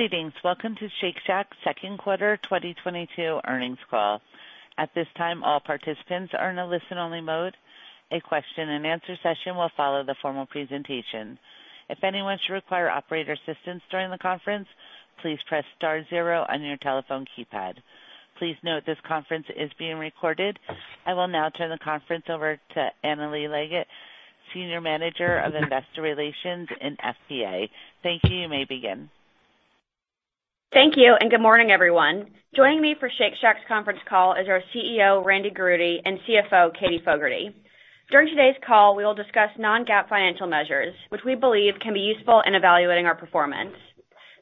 Greetings. Welcome to Shake Shack's second quarter 2022 earnings call. At this time, all participants are in a listen-only mode. A question and answer session will follow the formal presentation. If anyone should require operator assistance during the conference, please press star zero on your telephone keypad. Please note this conference is being recorded. I will now turn the conference over to Annalee Leggett, Senior Manager of Investor Relations and FP&A. Thank you. You may begin. Thank you, and good morning, everyone. Joining me for Shake Shack's conference call is our CEO, Randy Garutti, and CFO, Katie Fogarty. During today's call, we will discuss non-GAAP financial measures, which we believe can be useful in evaluating our performance.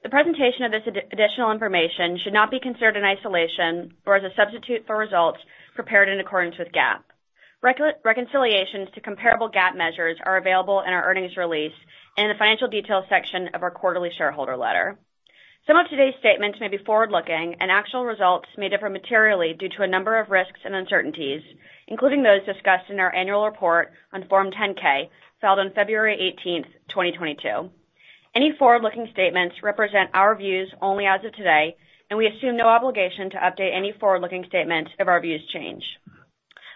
The presentation of this additional information should not be considered in isolation or as a substitute for results prepared in accordance with GAAP. Reconciliations to comparable GAAP measures are available in our earnings release in the financial details section of our quarterly shareholder letter. Some of today's statements may be forward-looking and actual results may differ materially due to a number of risks and uncertainties, including those discussed in our annual report on Form 10-K filed on February 18th, 2022. Any forward-looking statements represent our views only as of today, and we assume no obligation to update any forward-looking statements if our views change.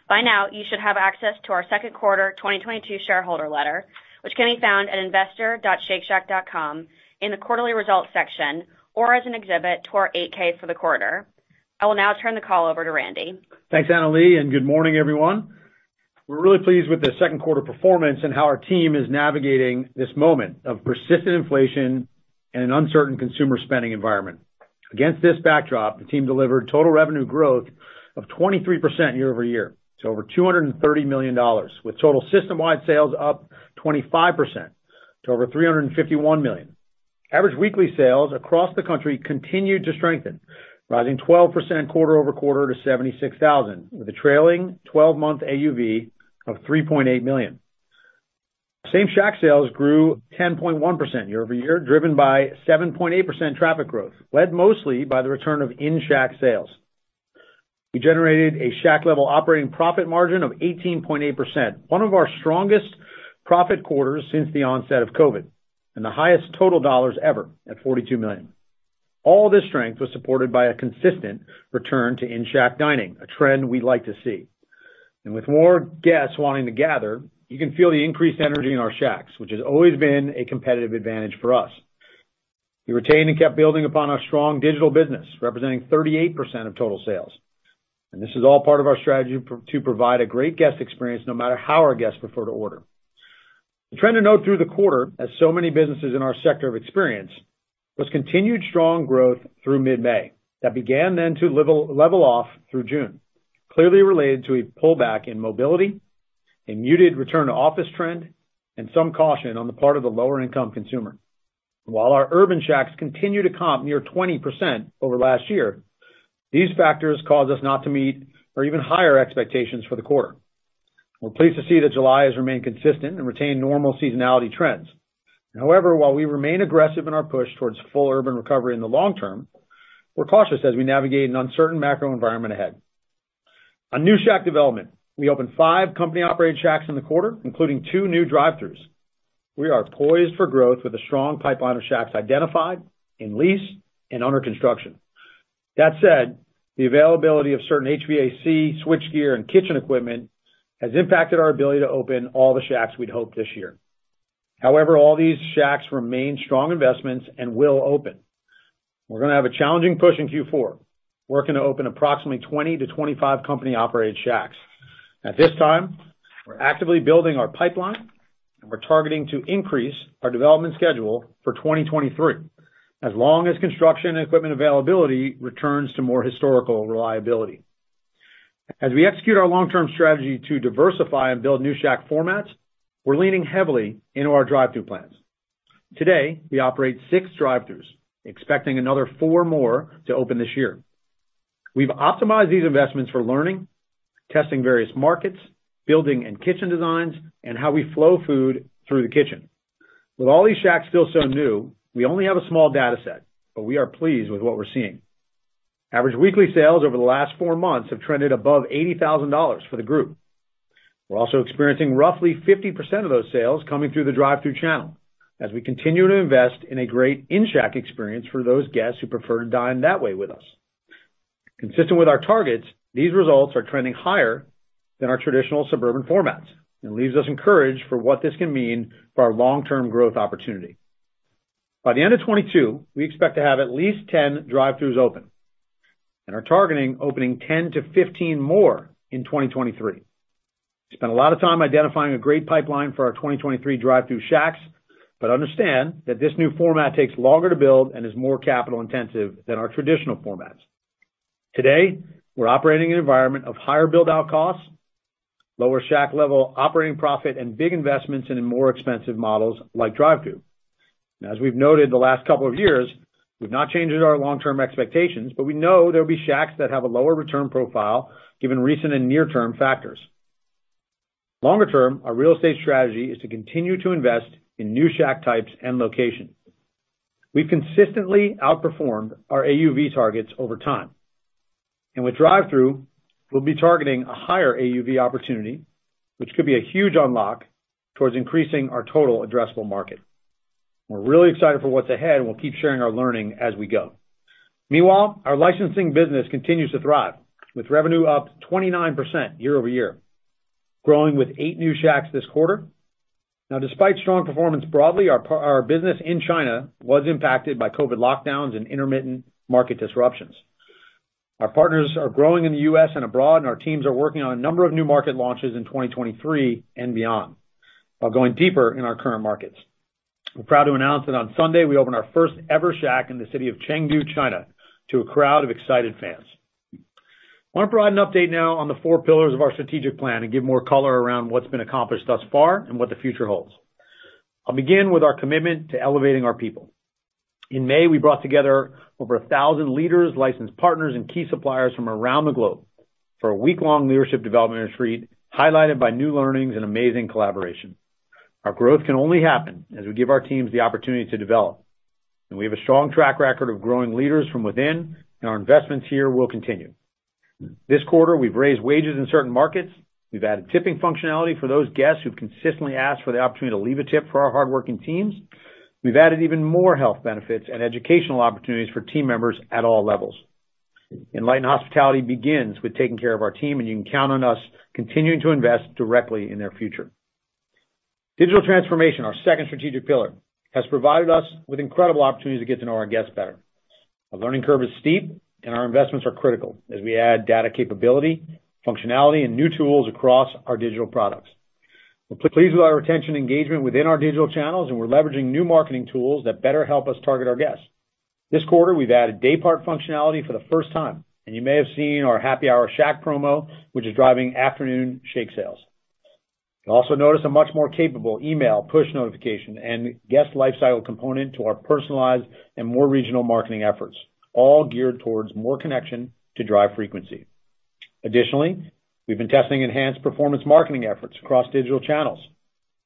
By now, you should have access to our second quarter 2022 shareholder letter, which can be found at investor.shakeshack.com in the quarterly results section, or as an exhibit to our 8-K for the quarter. I will now turn the call over to Randy. Thanks, Annalee, and good morning, everyone. We're really pleased with the second quarter performance and how our team is navigating this moment of persistent inflation and an uncertain consumer spending environment. Against this backdrop, the team delivered total revenue growth of 23% year-over-year to over $230 million, with total system-wide sales up 25% to over $351 million. Average weekly sales across the country continued to strengthen, rising 12% quarter-over-quarter to $76,000, with a trailing twelve-month AUV of $3.8 million. Same-Shack sales grew 10.1% year-over-year, driven by 7.8% traffic growth, led mostly by the return of in-Shack sales. We generated a Shack-level operating profit margin of 18.8%, one of our strongest profit quarters since the onset of COVID, and the highest total dollars ever at $42 million. All this strength was supported by a consistent return to in-Shack dining, a trend we like to see. With more guests wanting to gather, you can feel the increased energy in our Shacks, which has always been a competitive advantage for us. We retained and kept building upon our strong digital business, representing 38% of total sales. This is all part of our strategy to provide a great guest experience no matter how our guests prefer to order. The trend to note through the quarter, as so many businesses in our sector have experienced, was continued strong growth through mid-May that began then to level off through June, clearly related to a pullback in mobility, a muted return to office trend, and some caution on the part of the lower income consumer. While our urban Shacks continue to comp near 20% over last year, these factors caused us not to meet our even higher expectations for the quarter. We're pleased to see that July has remained consistent and retained normal seasonality trends. However, while we remain aggressive in our push towards full urban recovery in the long term, we're cautious as we navigate an uncertain macro environment ahead. On new Shack development, we opened five company-operated Shacks in the quarter, including two new drive-throughs. We are poised for growth with a strong pipeline of Shacks identified in lease and under construction. That said, the availability of certain HVAC, switchgear, and kitchen equipment has impacted our ability to open all the Shacks we'd hoped this year. However, all these Shacks remain strong investments and will open. We're gonna have a challenging push in Q4. We're gonna open approximately 20-25 company-operated Shacks. At this time, we're actively building our pipeline, and we're targeting to increase our development schedule for 2023 as long as construction and equipment availability returns to more historical reliability. As we execute our long-term strategy to diversify and build new Shack formats, we're leaning heavily into our drive-through plans. Today, we operate six drive-throughs, expecting another four more to open this year. We've optimized these investments for learning, testing various markets, building and kitchen designs, and how we flow food through the kitchen. With all these Shacks still so new, we only have a small data set, but we are pleased with what we're seeing. Average weekly sales over the last four months have trended above $80,000 for the group. We're also experiencing roughly 50% of those sales coming through the drive-through channel as we continue to invest in a great in-Shack experience for those guests who prefer to dine that way with us. Consistent with our targets, these results are trending higher than our traditional suburban formats and leaves us encouraged for what this can mean for our long-term growth opportunity. By the end of 2022, we expect to have at least 10 drive-throughs open and are targeting opening 10-15 more in 2023. We spent a lot of time identifying a great pipeline for our 2023 drive-through Shacks, but understand that this new format takes longer to build and is more capital intensive than our traditional formats. Today, we're operating in an environment of higher build-out costs, lower Shack-level operating profit, and big investments in more expensive models like drive-through. As we've noted the last couple of years, we've not changed our long-term expectations, but we know there will be Shacks that have a lower return profile given recent and near-term factors. Longer term, our real estate strategy is to continue to invest in new Shack types and locations. We've consistently outperformed our AUV targets over time. With drive-through, we'll be targeting a higher AUV opportunity, which could be a huge unlock towards increasing our total addressable market. We're really excited for what's ahead, and we'll keep sharing our learning as we go. Meanwhile, our licensing business continues to thrive, with revenue up 29% year-over-year, growing with eight new Shacks this quarter. Now despite strong performance broadly, our business in China was impacted by COVID lockdowns and intermittent market disruptions. Our partners are growing in the U.S. and abroad, and our teams are working on a number of new market launches in 2023 and beyond, while going deeper in our current markets. We're proud to announce that on Sunday, we opened our first ever Shack in the city of Chengdu, China, to a crowd of excited fans. I want to provide an update now on the four pillars of our strategic plan and give more color around what's been accomplished thus far and what the future holds. I'll begin with our commitment to elevating our people. In May, we brought together over 1,000 leaders, licensed partners, and key suppliers from around the globe for a week-long leadership development retreat, highlighted by new learnings and amazing collaboration. Our growth can only happen as we give our teams the opportunity to develop. We have a strong track record of growing leaders from within, and our investments here will continue. This quarter, we've raised wages in certain markets. We've added tipping functionality for those guests who've consistently asked for the opportunity to leave a tip for our hardworking teams. We've added even more health benefits and educational opportunities for team members at all levels. Enlightened hospitality begins with taking care of our team, and you can count on us continuing to invest directly in their future. Digital transformation, our second strategic pillar, has provided us with incredible opportunities to get to know our guests better. Our learning curve is steep and our investments are critical as we add data capability, functionality, and new tools across our digital products. We're pleased with our retention engagement within our digital channels, and we're leveraging new marketing tools that better help us target our guests. This quarter, we've added day part functionality for the first time, and you may have seen our happy hour Shack promo, which is driving afternoon shake sales. You'll also notice a much more capable email push notification and guest lifestyle component to our personalized and more regional marketing efforts, all geared towards more connection to drive frequency. Additionally, we've been testing enhanced performance marketing efforts across digital channels.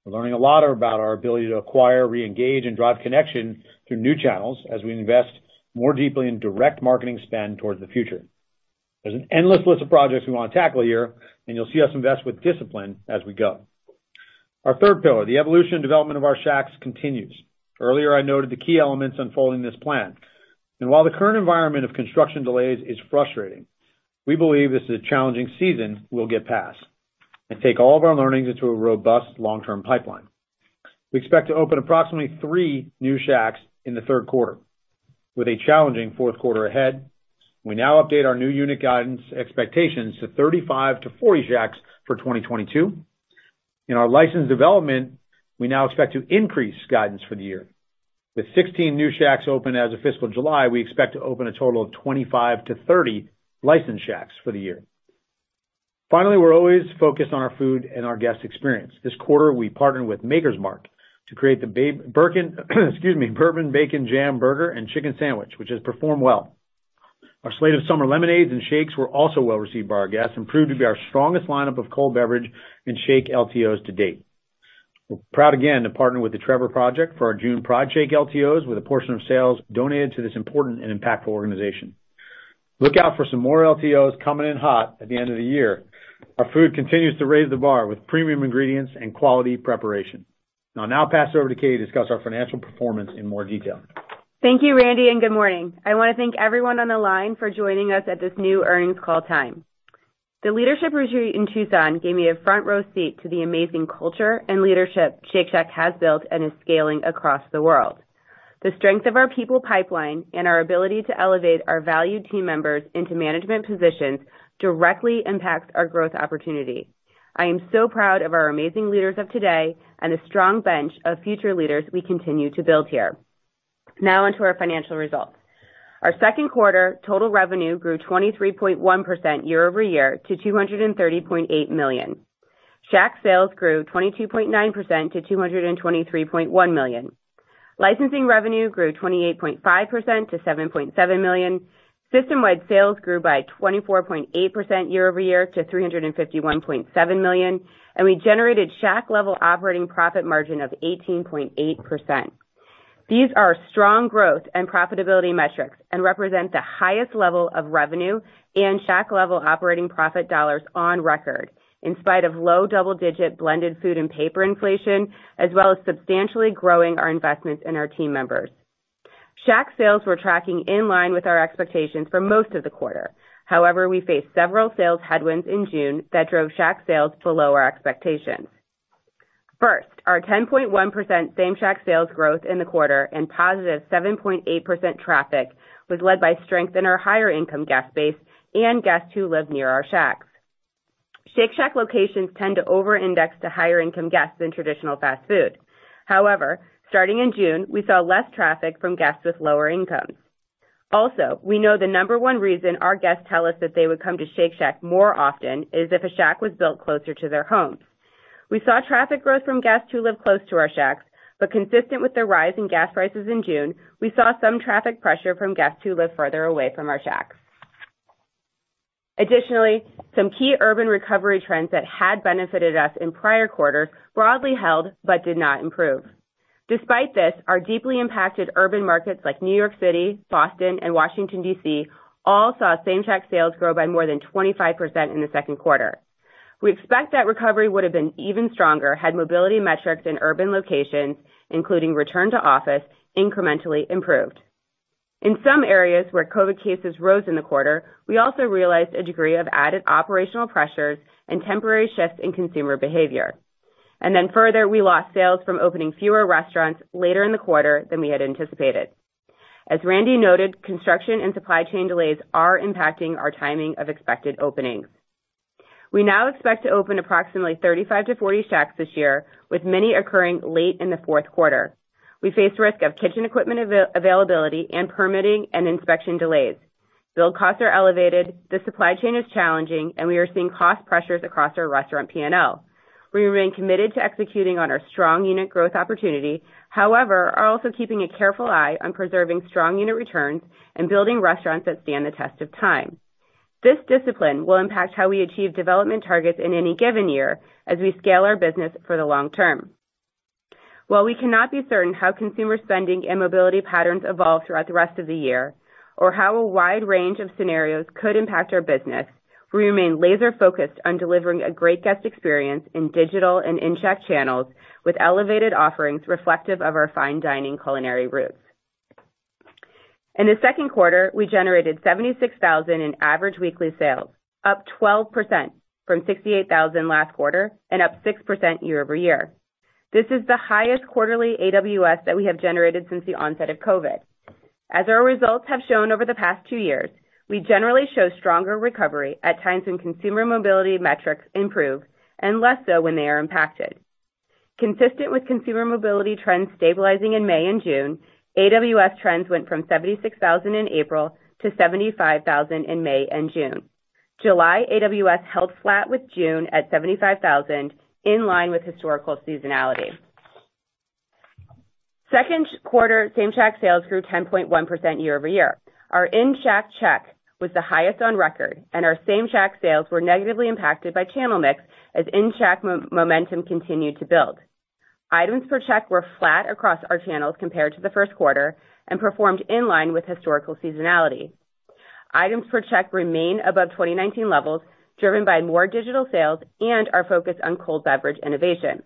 We're learning a lot about our ability to acquire, re-engage, and drive connection through new channels as we invest more deeply in direct marketing spend towards the future. There's an endless list of projects we want to tackle here, and you'll see us invest with discipline as we go. Our third pillar, the evolution and development of our Shacks continues. Earlier, I noted the key elements unfolding this plan. While the current environment of construction delays is frustrating, we believe this is a challenging season we'll get past and take all of our learnings into a robust long-term pipeline. We expect to open approximately three new Shacks in the third quarter with a challenging fourth quarter ahead. We now update our new unit guidance expectations to 35-40 Shacks for 2022. In our license development, we now expect to increase guidance for the year. With 16 new Shacks open as of fiscal July, we expect to open a total of 25-30 licensed Shacks for the year. Finally, we're always focused on our food and our guest experience. This quarter, we partnered with Maker's Mark to create the Bourbon Bacon Jam Burger and chicken sandwich, which has performed well. Our slate of summer lemonades and shakes were also well-received by our guests and proved to be our strongest lineup of cold beverage and shake LTOs to date. We're proud again to partner with The Trevor Project for our June Pride Shake LTOs, with a portion of sales donated to this important and impactful organization. Look out for some more LTOs coming in hot at the end of the year. Our food continues to raise the bar with premium ingredients and quality preparation. I'll now pass it over to Kate to discuss our financial performance in more detail. Thank you, Randy, and good morning. I want to thank everyone on the line for joining us at this new earnings call time. The leadership retreat in Tucson gave me a front row seat to the amazing culture and leadership Shake Shack has built and is scaling across the world. The strength of our people pipeline and our ability to elevate our valued team members into management positions directly impacts our growth opportunity. I am so proud of our amazing leaders of today and the strong bench of future leaders we continue to build here. Now on to our financial results. Our second quarter total revenue grew 23.1% year-over-year to $230.8 million. Shack sales grew 22.9% to $223.1 million. Licensing revenue grew 28.5% to $7.7 million. System-wide sales grew by 24.8% year-over-year to $351.7 million. We generated Shack-level operating profit margin of 18.8%. These are strong growth and profitability metrics and represent the highest level of revenue and Shack-level operating profit dollars on record in spite of low double-digit blended food and paper inflation, as well as substantially growing our investments in our team members. Shack sales were tracking in line with our expectations for most of the quarter. However, we faced several sales headwinds in June that drove Shack sales below our expectations. First, our 10.1% Same-Shack sales growth in the quarter and positive 7.8% traffic was led by strength in our higher income guest base and guests who live near our Shacks. Shake Shack locations tend to over-index to higher income guests than traditional fast food. However, starting in June, we saw less traffic from guests with lower incomes. Also, we know the number one reason our guests tell us that they would come to Shake Shack more often is if a Shack was built closer to their homes. We saw traffic growth from guests who live close to our Shacks, but consistent with the rise in gas prices in June, we saw some traffic pressure from guests who live further away from our Shacks. Additionally, some key urban recovery trends that had benefited us in prior quarters broadly held but did not improve. Despite this, our deeply impacted urban markets like New York City, Boston, and Washington, D.C., all saw Same-Shack sales grow by more than 25% in the second quarter. We expect that recovery would have been even stronger had mobility metrics in urban locations, including return to office, incrementally improved. In some areas where COVID cases rose in the quarter, we also realized a degree of added operational pressures and temporary shifts in consumer behavior. Further, we lost sales from opening fewer restaurants later in the quarter than we had anticipated. As Randy noted, construction and supply chain delays are impacting our timing of expected openings. We now expect to open approximately 35-40 Shacks this year, with many occurring late in the fourth quarter. We face risk of kitchen equipment availability and permitting and inspection delays. Build costs are elevated, the supply chain is challenging, and we are seeing cost pressures across our restaurant P&L. We remain committed to executing on our strong unit growth opportunity, however, are also keeping a careful eye on preserving strong unit returns and building restaurants that stand the test of time. This discipline will impact how we achieve development targets in any given year as we scale our business for the long term. While we cannot be certain how consumer spending and mobility patterns evolve throughout the rest of the year, or how a wide range of scenarios could impact our business, we remain laser focused on delivering a great guest experience in digital and in-Shack channels with elevated offerings reflective of our fine dining culinary roots. In the second quarter, we generated $76,000 in average weekly sales, up 12% from $68,000 last quarter and up 6% year-over-year. This is the highest quarterly AWS that we have generated since the onset of COVID. As our results have shown over the past two years, we generally show stronger recovery at times when consumer mobility metrics improve and less so when they are impacted. Consistent with consumer mobility trends stabilizing in May and June, AWS trends went from 76,000 in April to 75,000 in May and June. July AWS held flat with June at 75,000 in line with historical seasonality. Second quarter same-Shack sales grew 10.1% year over year. Our in-Shack check was the highest on record, and our same-Shack sales were negatively impacted by channel mix as in-Shack momentum continued to build. Items per check were flat across our channels compared to the first quarter and performed in line with historical seasonality. Items per check remain above 2019 levels, driven by more digital sales and our focus on cold beverage innovation.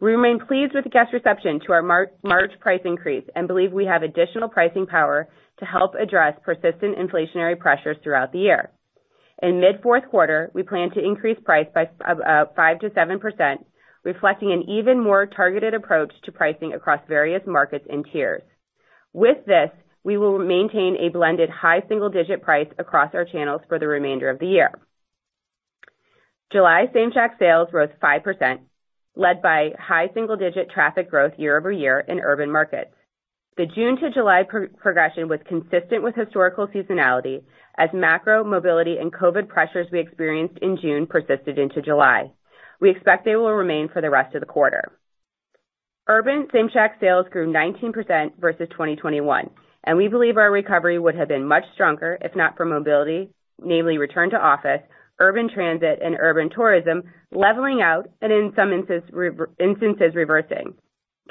We remain pleased with the guest reception to our March price increase and believe we have additional pricing power to help address persistent inflationary pressures throughout the year. In mid fourth quarter, we plan to increase price by 5%-7%, reflecting an even more targeted approach to pricing across various markets and tiers. With this, we will maintain a blended high single digit price across our channels for the remainder of the year. July Same-Shack sales rose 5%, led by high single digit traffic growth year-over-year in urban markets. The June to July progression was consistent with historical seasonality as macro mobility and COVID pressures we experienced in June persisted into July. We expect they will remain for the rest of the quarter. Urban Same-Shack sales grew 19% versus 2021, and we believe our recovery would have been much stronger if not for mobility, namely return to office, urban transit and urban tourism leveling out and in some instances, reversing.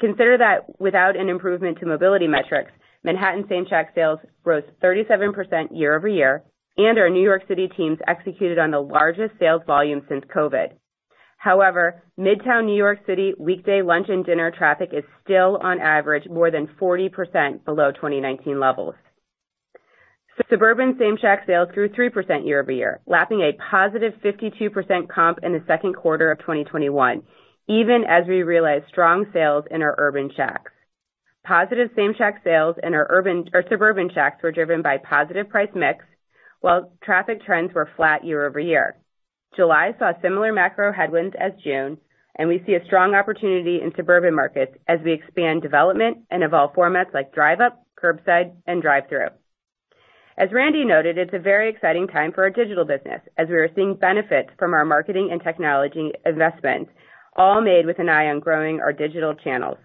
Consider that without an improvement to mobility metrics, Manhattan Same-Shack sales rose 37% year-over-year and our New York City teams executed on the largest sales volume since COVID. However, Midtown New York City weekday lunch and dinner traffic is still on average more than 40% below 2019 levels. Suburban Same-Shack sales grew 3% year-over-year, lapping a positive 52% comp in the second quarter of 2021 even as we realized strong sales in our urban Shacks. Positive same-Shack sales in our urban or suburban Shacks were driven by positive price mix while traffic trends were flat year-over-year. July saw similar macro headwinds as June, and we see a strong opportunity in suburban markets as we expand development and evolve formats like drive up, curbside, and drive-thru. As Randy noted, it's a very exciting time for our digital business as we are seeing benefits from our marketing and technology investments, all made with an eye on growing our digital channels.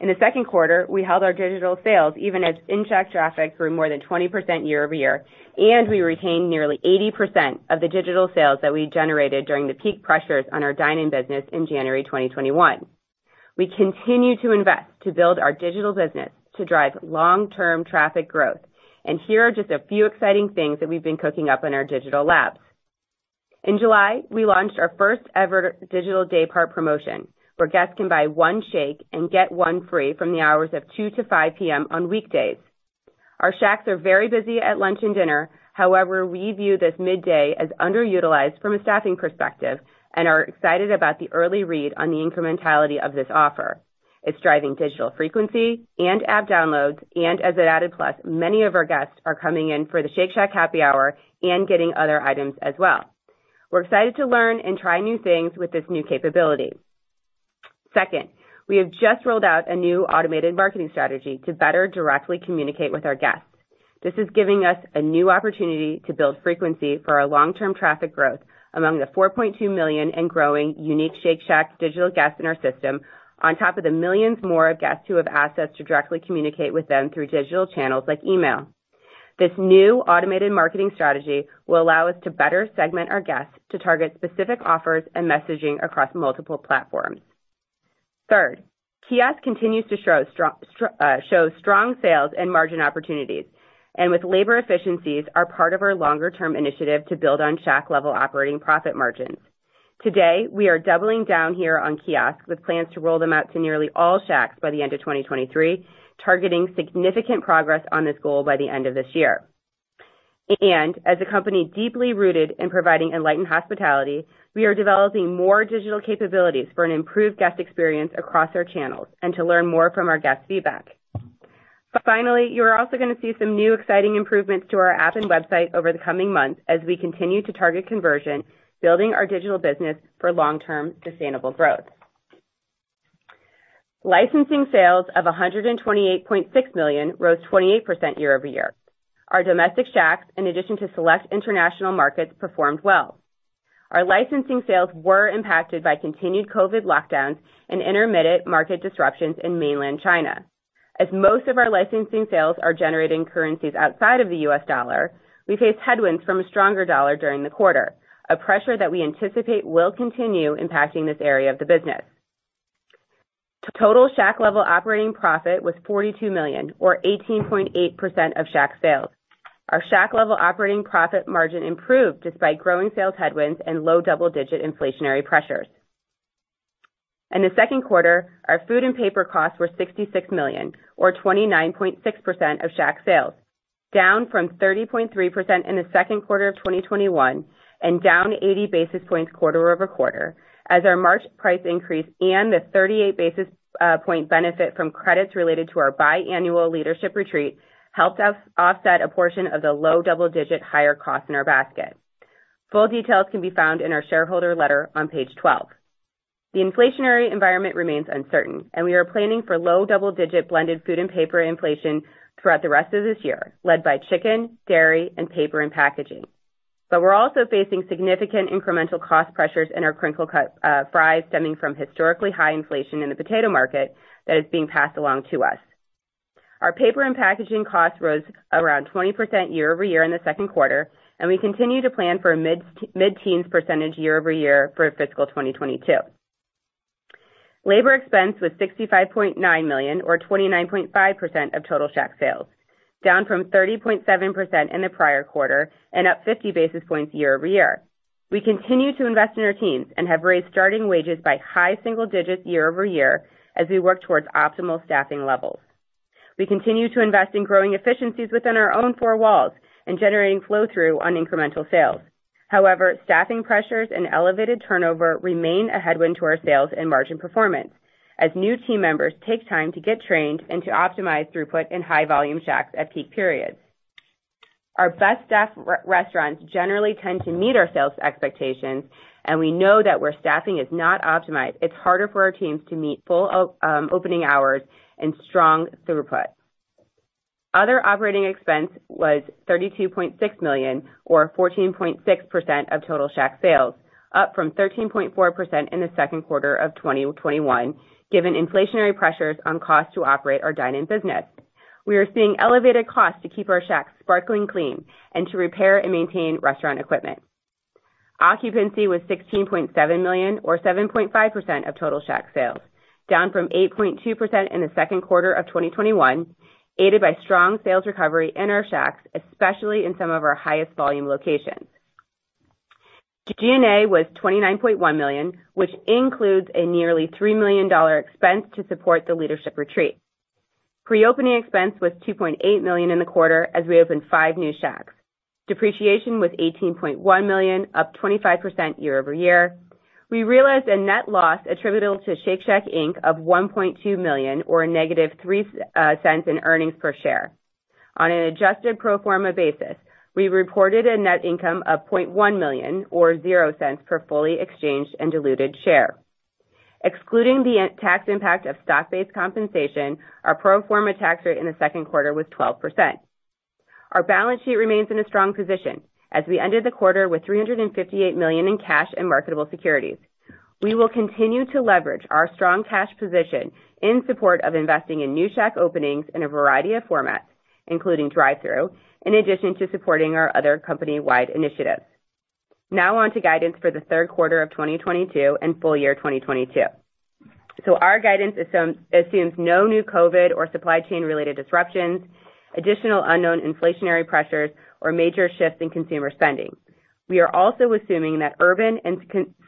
In the second quarter, we held our digital sales even as in-Shack traffic grew more than 20% year-over-year, and we retained nearly 80% of the digital sales that we generated during the peak pressures on our dine-in business in January 2021. We continue to invest to build our digital business to drive long-term traffic growth. Here are just a few exciting things that we've been cooking up in our digital labs. In July, we launched our first ever digital day part promotion, where guests can buy one shake and get one free from 2:00 to 5:00 P.M. on weekdays. Our Shacks are very busy at lunch and dinner. However, we view this midday as underutilized from a staffing perspective and are excited about the early read on the incrementality of this offer. It's driving digital frequency and app downloads, and as an added plus, many of our guests are coming in for the Shake Shack happy hour and getting other items as well. We're excited to learn and try new things with this new capability. Second, we have just rolled out a new automated marketing strategy to better directly communicate with our guests. This is giving us a new opportunity to build frequency for our long-term traffic growth among the 4.2 million and growing unique Shake Shack digital guests in our system, on top of the millions more of guests who have assets to directly communicate with them through digital channels like email. This new automated marketing strategy will allow us to better segment our guests to target specific offers and messaging across multiple platforms. Third, kiosk continues to show strong sales and margin opportunities, and with labor efficiencies are part of our longer-term initiative to build on Shack-level operating profit margins. Today, we are doubling down here on kiosk with plans to roll them out to nearly all Shacks by the end of 2023, targeting significant progress on this goal by the end of this year. As a company deeply rooted in providing enlightened hospitality, we are developing more digital capabilities for an improved guest experience across our channels and to learn more from our guest feedback. Finally, you're also gonna see some new exciting improvements to our app and website over the coming months as we continue to target conversion, building our digital business for long-term sustainable growth. Licensing sales of $128.6 million rose 28% year-over-year. Our domestic Shacks, in addition to select international markets, performed well. Our licensing sales were impacted by continued COVID lockdowns and intermittent market disruptions in mainland China. As most of our licensing sales are generating currencies outside of the US dollar, we faced headwinds from a stronger dollar during the quarter, a pressure that we anticipate will continue impacting this area of the business. Total Shack-level operating profit was $42 million, or 18.8% of Shack sales. Our Shack-level operating profit margin improved despite growing sales headwinds and low double-digit inflationary pressures. In the second quarter, our food and paper costs were $66 million, or 29.6% of Shack sales, down from 30.3% in the second quarter of 2021 and down 80 basis points quarter over quarter as our March price increase and the 38 basis points benefit from credits related to our biannual leadership retreat helped us offset a portion of the low double-digit higher costs in our basket. Full details can be found in our shareholder letter on page 12. The inflationary environment remains uncertain, and we are planning for low double-digit blended food and paper inflation throughout the rest of this year, led by chicken, dairy, and paper and packaging. We're also facing significant incremental cost pressures in our crinkle cut fries stemming from historically high inflation in the potato market that is being passed along to us. Our paper and packaging costs rose around 20% year-over-year in the second quarter, and we continue to plan for a mid-teens percentage year-over-year for fiscal 2022. Labor expense was $65.9 million or 29.5% of total Shack sales, down from 30.7% in the prior quarter and up 50 basis points year-over-year. We continue to invest in our teams and have raised starting wages by high single digits year-over-year as we work towards optimal staffing levels. We continue to invest in growing efficiencies within our own four walls and generating flow-through on incremental sales. However, staffing pressures and elevated turnover remain a headwind to our sales and margin performance as new team members take time to get trained and to optimize throughput in high volume Shacks at peak periods. Our best staffed restaurants generally tend to meet our sales expectations, and we know that where staffing is not optimized, it's harder for our teams to meet full opening hours and strong throughput. Other operating expense was $32.6 million or 14.6% of total Shack sales, up from 13.4% in the second quarter of 2021, given inflationary pressures on costs to operate our dine-in business. We are seeing elevated costs to keep our Shacks sparkling clean and to repair and maintain restaurant equipment. Occupancy was $16.7 million or 7.5% of total Shack sales, down from 8.2% in the second quarter of 2021, aided by strong sales recovery in our Shacks, especially in some of our highest volume locations. G&A was $29.1 million, which includes a nearly $3 million expense to support the leadership retreat. Pre-opening expense was $2.8 million in the quarter as we opened five new Shacks. Depreciation was $18.1 million, up 25% year-over-year. We realized a net loss attributable to Shake Shack Inc. of $1.2 million or -$0.03 in earnings per share. On an adjusted pro forma basis, we reported a net income of $0.1 million or $0.00 per fully exchanged and diluted share. Excluding the tax impact of stock-based compensation, our pro forma tax rate in the second quarter was 12%. Our balance sheet remains in a strong position as we ended the quarter with $358 million in cash and marketable securities. We will continue to leverage our strong cash position in support of investing in new Shack openings in a variety of formats, including drive-thru, in addition to supporting our other company-wide initiatives. Now on to guidance for the third quarter of 2022 and full year 2022. Our guidance assumes no new COVID or supply chain related disruptions, additional unknown inflationary pressures or major shifts in consumer spending. We are also assuming that urban and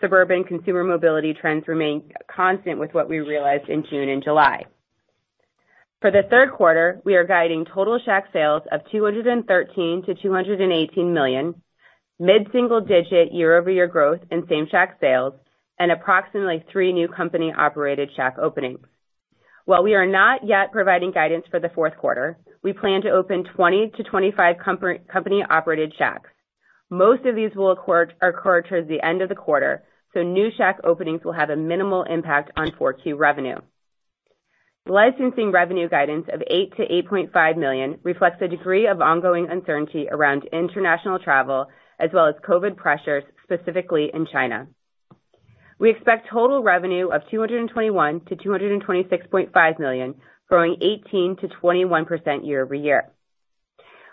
suburban consumer mobility trends remain constant with what we realized in June and July. For the third quarter, we are guiding total Shack sales of $213 million-$218 million, mid-single-digit year-over-year growth in same Shack sales, and approximately three new company-operated Shack openings. While we are not yet providing guidance for the fourth quarter, we plan to open 20-25 company-operated Shacks. Most of these will occur towards the end of the quarter, so new Shack openings will have a minimal impact on 4Q revenue. Licensing revenue guidance of $8 million-$8.5 million reflects the degree of ongoing uncertainty around international travel as well as COVID pressures, specifically in China. We expect total revenue of $221 million-$226.5 million, growing 18%-21% year-over-year.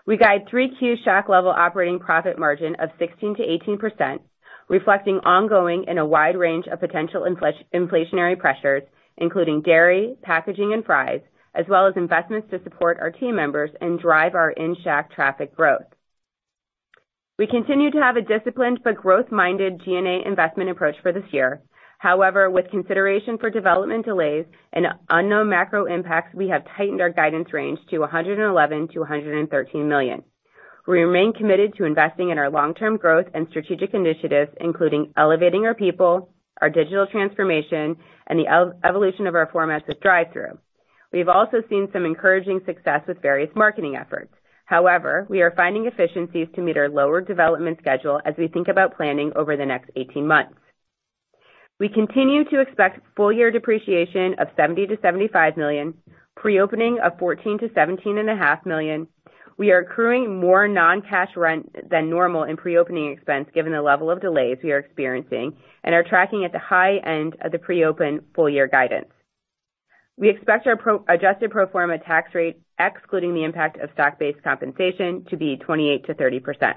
We guide 3Q Shack-level operating profit margin of 16%-18%, reflecting ongoing and a wide range of potential inflationary pressures, including dairy, packaging and fries, as well as investments to support our team members and drive our in-Shack traffic growth. We continue to have a disciplined but growth-minded G&A investment approach for this year. However, with consideration for development delays and unknown macro impacts, we have tightened our guidance range to $111 million-$113 million. We remain committed to investing in our long-term growth and strategic initiatives, including elevating our people, our digital transformation, and the evolution of our formats with drive-thru. We have also seen some encouraging success with various marketing efforts. However, we are finding efficiencies to meet our lower development schedule as we think about planning over the next 18 months. We continue to expect full year depreciation of $70 million-$75 million, pre-opening of $14 million-$17.5 million. We are accruing more non-cash rent than normal in pre-opening expense given the level of delays we are experiencing and are tracking at the high end of the pre-opening full year guidance. We expect our adjusted pro forma tax rate, excluding the impact of stock-based compensation, to be 28%-30%.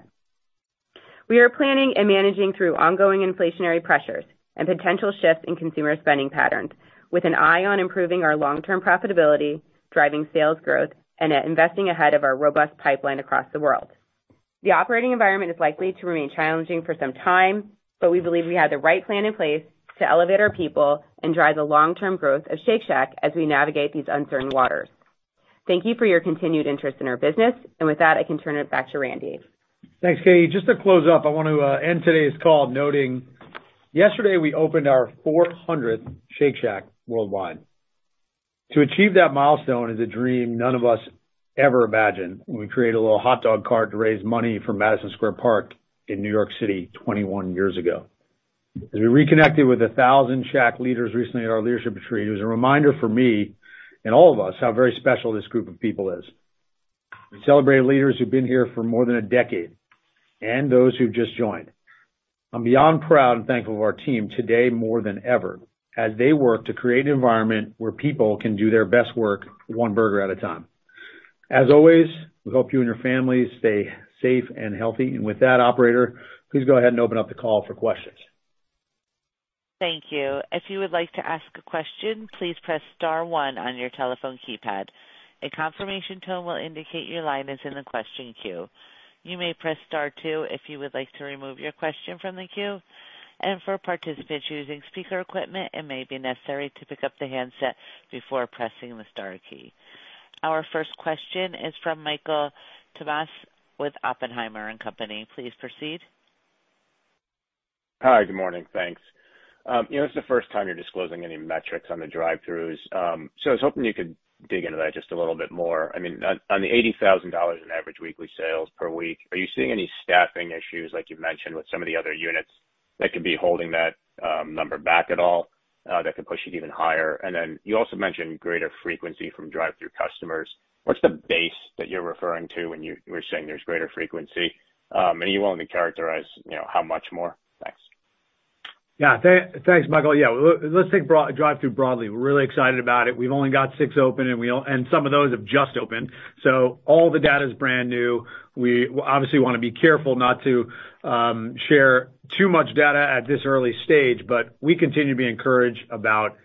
We are planning and managing through ongoing inflationary pressures and potential shifts in consumer spending patterns with an eye on improving our long-term profitability, driving sales growth and investing ahead of our robust pipeline across the world. The operating environment is likely to remain challenging for some time, but we believe we have the right plan in place to elevate our people and drive the long-term growth of Shake Shack as we navigate these uncertain waters. Thank you for your continued interest in our business. With that, I can turn it back to Randy. Thanks, Katie. Just to close up, I want to end today's call noting yesterday we opened our 400th Shake Shack worldwide. To achieve that milestone is a dream none of us ever imagined when we created a little hot dog cart to raise money for Madison Square Park in New York City 21 years ago. As we reconnected with 1,000 Shack leaders recently at our leadership retreat, it was a reminder for me and all of us how very special this group of people is. We celebrated leaders who've been here for more than a decade and those who've just joined. I'm beyond proud and thankful of our team today more than ever as they work to create an environment where people can do their best work one burger at a time. As always, we hope you and your families stay safe and healthy. With that, operator, please go ahead and open up the call for questions. Thank you. If you would like to ask a question, please press star one on your telephone keypad. A confirmation tone will indicate your line is in the question queue. You may press star two if you would like to remove your question from the queue. For participants using speaker equipment, it may be necessary to pick up the handset before pressing the star key. Our first question is from Michael Tamas with Oppenheimer & Co. Please proceed. Hi. Good morning. Thanks. You know, it's the first time you're disclosing any metrics on the drive-throughs, so I was hoping you could dig into that just a little bit more. I mean, on the $80,000 in average weekly sales per week, are you seeing any staffing issues like you've mentioned with some of the other units that could be holding that number back at all, that could push it even higher? You also mentioned greater frequency from drive-through customers. What's the base that you're referring to when you were saying there's greater frequency? Are you willing to characterize, you know, how much more? Thanks. Yeah. Thanks, Michael. Yeah. Let's take drive-thru broadly. We're really excited about it. We've only got six open and some of those have just opened, so all the data is brand new. We obviously want to be careful not to share too much data at this early stage, but we continue to be encouraged about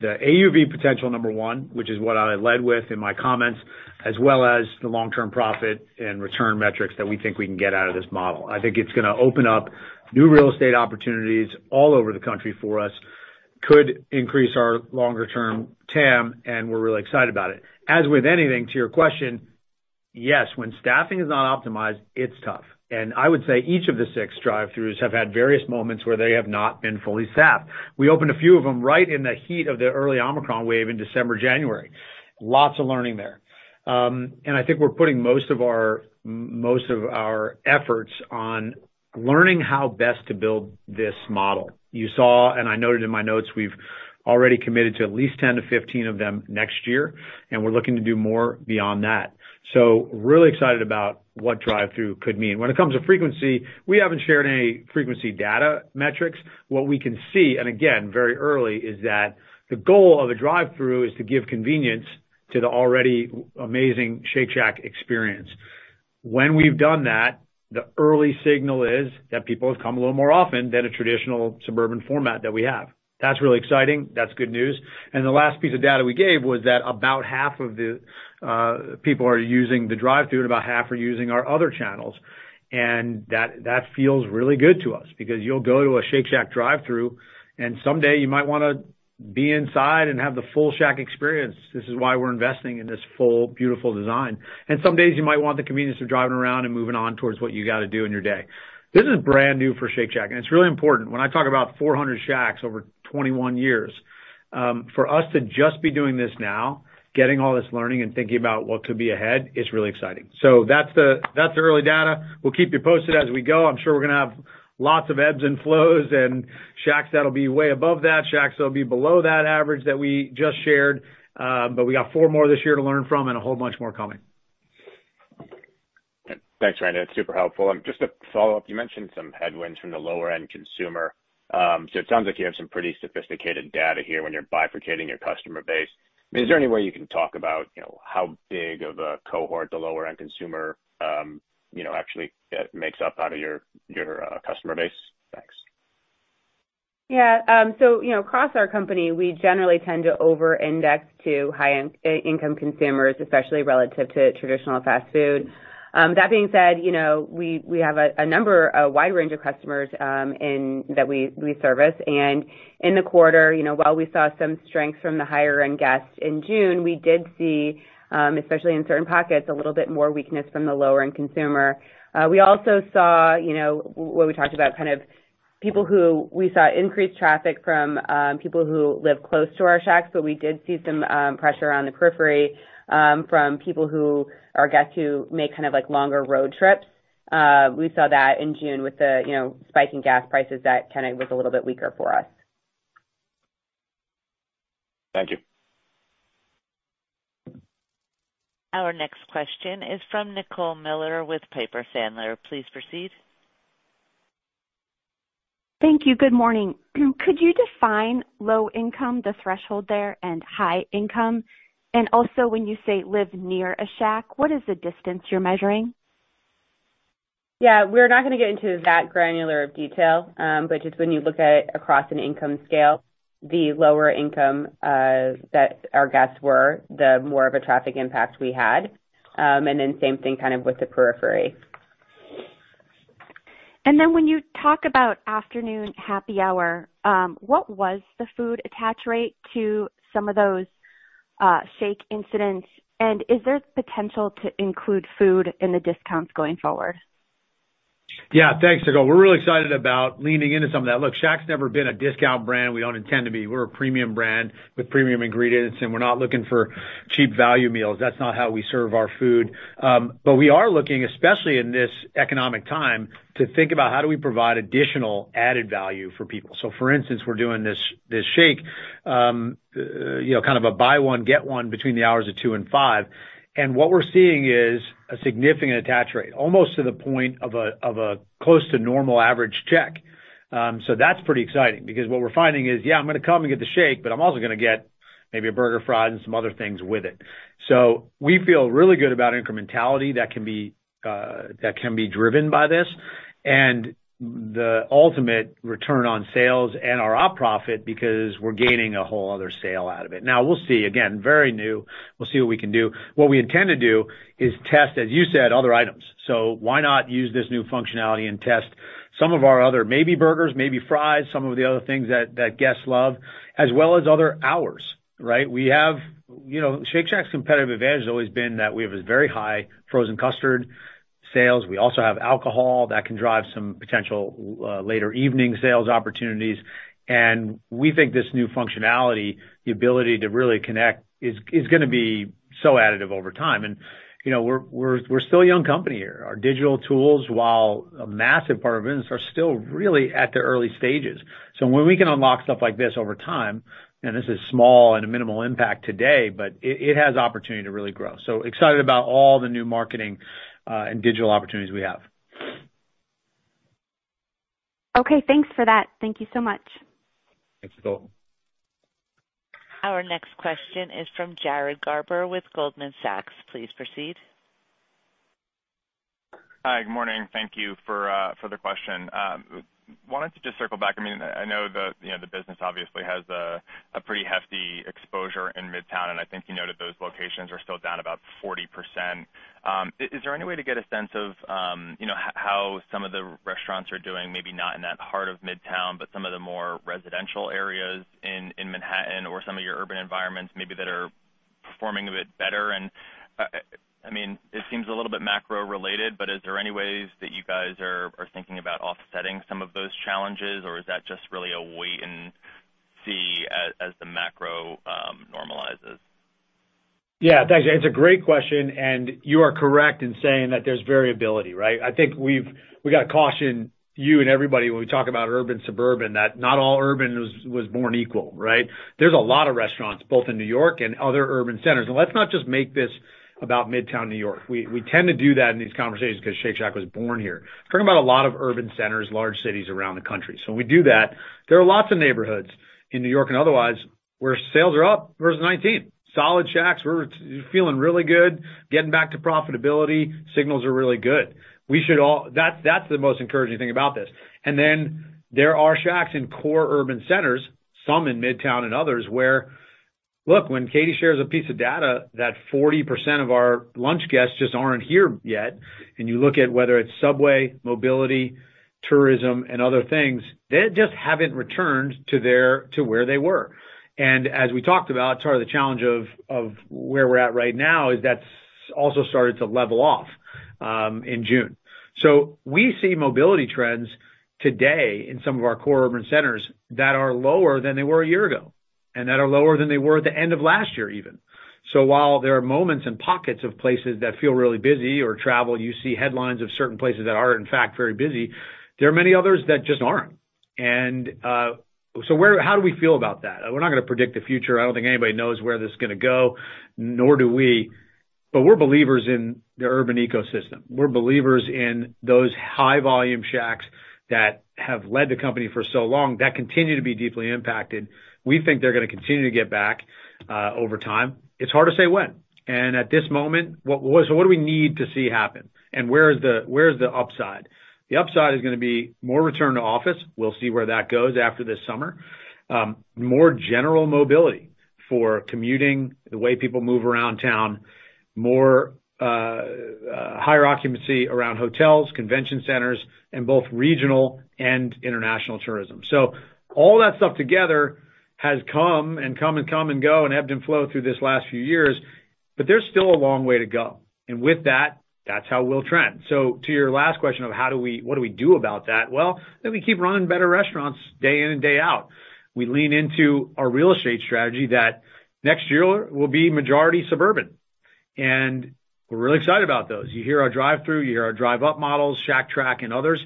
the AUV potential, number one, which is what I led with in my comments, as well as the long-term profit and return metrics that we think we can get out of this model. I think it's gonna open up new real estate opportunities all over the country for us, could increase our longer term TAM, and we're really excited about it. As with anything, to your question, yes, when staffing is not optimized, it's tough. I would say each of the six drive-thrus have had various moments where they have not been fully staffed. We opened a few of them right in the heat of the early Omicron wave in December, January. Lots of learning there. I think we're putting most of our efforts on learning how best to build this model. You saw, and I noted in my notes, we've already committed to at least 10-15 of them next year, and we're looking to do more beyond that. Really excited about what drive-thru could mean. When it comes to frequency, we haven't shared any frequency data metrics. What we can see, and again, very early, is that the goal of a drive-thru is to give convenience to the already amazing Shake Shack experience. When we've done that, the early signal is that people have come a little more often than a traditional suburban format that we have. That's really exciting. That's good news. The last piece of data we gave was that about half of the people are using the drive-thru and about half are using our other channels. That feels really good to us because you'll go to a Shake Shack drive-thru and someday you might wanna be inside and have the full Shack experience. This is why we're investing in this full beautiful design. Some days you might want the convenience of driving around and moving on towards what you got to do in your day. This is brand new for Shake Shack, and it's really important. When I talk about 400 Shacks over 21 years, for us to just be doing this now, getting all this learning and thinking about what could be ahead, it's really exciting. That's the early data. We'll keep you posted as we go. I'm sure we're gonna have lots of ebbs and flows and Shacks that'll be way above that, Shacks that'll be below that average that we just shared. We got four more this year to learn from and a whole bunch more coming. Thanks, Randy. That's super helpful. Just to follow up, you mentioned some headwinds from the lower end consumer. So it sounds like you have some pretty sophisticated data here when you're bifurcating your customer base. I mean, is there any way you can talk about, you know, how big of a cohort the lower end consumer, you know, actually makes up out of your customer base? Thanks. Yeah. So, you know, across our company, we generally tend to over-index to high-end income consumers, especially relative to traditional fast food. That being said, you know, we have a wide range of customers that we service. In the quarter, you know, while we saw some strength from the higher end guests in June, we did see, especially in certain pockets, a little bit more weakness from the lower end consumer. We also saw, you know, what we talked about kind of people who we saw increased traffic from, people who live close to our Shacks, but we did see some pressure on the periphery from people who, or guests who make kind of like longer road trips. We saw that in June with the, you know, spike in gas prices. That kind of was a little bit weaker for us. Thank you. Our next question is from Nicole Miller with Piper Sandler. Please proceed. Thank you. Good morning. Could you define low income, the threshold there, and high income? Also when you say live near a Shack, what is the distance you're measuring? Yeah. We're not gonna get into that granular of detail, but just when you look at across an income scale, the lower income that our guests were, the more of a traffic impact we had. Then same thing kind of with the periphery. When you talk about afternoon happy hour, what was the food attach rate to some of those shake incidents? Is there potential to include food in the discounts going forward? Yeah. Thanks, Nicole. We're really excited about leaning into some of that. Look, Shack's never been a discount brand. We don't intend to be. We're a premium brand with premium ingredients, and we're not looking for cheap value meals. That's not how we serve our food. But we are looking, especially in this economic time, to think about how do we provide additional added value for people. For instance, we're doing this shake, you know, kind of a buy one, get one between the hours of 2:00 and 5:00 P.M. And what we're seeing is a significant attach rate, almost to the point of a close to normal average check. That's pretty exciting because what we're finding is, yeah, I'm gonna come and get the shake, but I'm also gonna get maybe a burger, fries, and some other things with it. We feel really good about incrementality that can be driven by this and the ultimate return on sales and our op profit because we're gaining a whole other sale out of it. Now we'll see. Again, very new. We'll see what we can do. What we intend to do is test, as you said, other items. Why not use this new functionality and test some of our other maybe burgers, maybe fries, some of the other things that guests love, as well as other hours, right? We have. You know, Shake Shack's competitive advantage has always been that we have a very high frozen custard sales. We also have alcohol that can drive some potential later evening sales opportunities. We think this new functionality, the ability to really connect is gonna be so additive over time. You know, we're still a young company here. Our digital tools, while a massive part of our business, are still really at the early stages. When we can unlock stuff like this over time, and this is small and a minimal impact today, but it has opportunity to really grow. Excited about all the new marketing and digital opportunities we have. Okay, thanks for that. Thank you so much. Thanks, Nicole. Our next question is from Jared Garber with Goldman Sachs. Please proceed. Hi. Good morning. Thank you for the question. Wanted to just circle back. I mean, I know the, you know, the business obviously has a pretty hefty exposure in Midtown, and I think you noted those locations are still down about 40%. Is there any way to get a sense of, you know, how some of the restaurants are doing, maybe not in that heart of Midtown, but some of the more residential areas in Manhattan or some of your urban environments maybe that are performing a bit better? I mean, it seems a little bit macro-related, but is there any ways that you guys are thinking about offsetting some of those challenges, or is that just really a wait and see as the macro normalizes? Yeah. Thanks. It's a great question, and you are correct in saying that there's variability, right? I think we gotta caution you and everybody when we talk about urban, suburban, that not all urban was born equal, right? There's a lot of restaurants both in New York and other urban centers. Let's not just make this about Midtown New York. We tend to do that in these conversations because Shake Shack was born here. Talking about a lot of urban centers, large cities around the country. When we do that, there are lots of neighborhoods in New York and otherwise, where sales are up versus 2019. Solid Shacks. We're feeling really good. Getting back to profitability. Signals are really good. That's the most encouraging thing about this. There are Shacks in core urban centers, some in Midtown and others, where. Look, when Katie shares a piece of data that 40% of our lunch guests just aren't here yet, and you look at whether it's subway, mobility, tourism, and other things, they just haven't returned to where they were. As we talked about, the challenge of where we're at right now is that's also started to level off in June. We see mobility trends today in some of our core urban centers that are lower than they were a year ago, and that are lower than they were at the end of last year even. While there are moments and pockets of places that feel really busy or travel, you see headlines of certain places that are in fact very busy, there are many others that just aren't. How do we feel about that? We're not gonna predict the future. I don't think anybody knows where this is gonna go, nor do we. We're believers in the urban ecosystem. We're believers in those high volume Shacks that have led the company for so long that continue to be deeply impacted. We think they're gonna continue to get back over time. It's hard to say when. At this moment, what do we need to see happen? Where is the upside? The upside is gonna be more return to office. We'll see where that goes after this summer. More general mobility for commuting, the way people move around town, more higher occupancy around hotels, convention centers in both regional and international tourism. All that stuff together has come and go and ebb and flow through this last few years, but there's still a long way to go. With that's how we'll trend. To your last question of what do we do about that? Well, we keep running better restaurants day in and day out. We lean into our real estate strategy that next year will be majority suburban, and we're really excited about those. You hear our drive-through, you hear our drive-up models, Shack Track and others.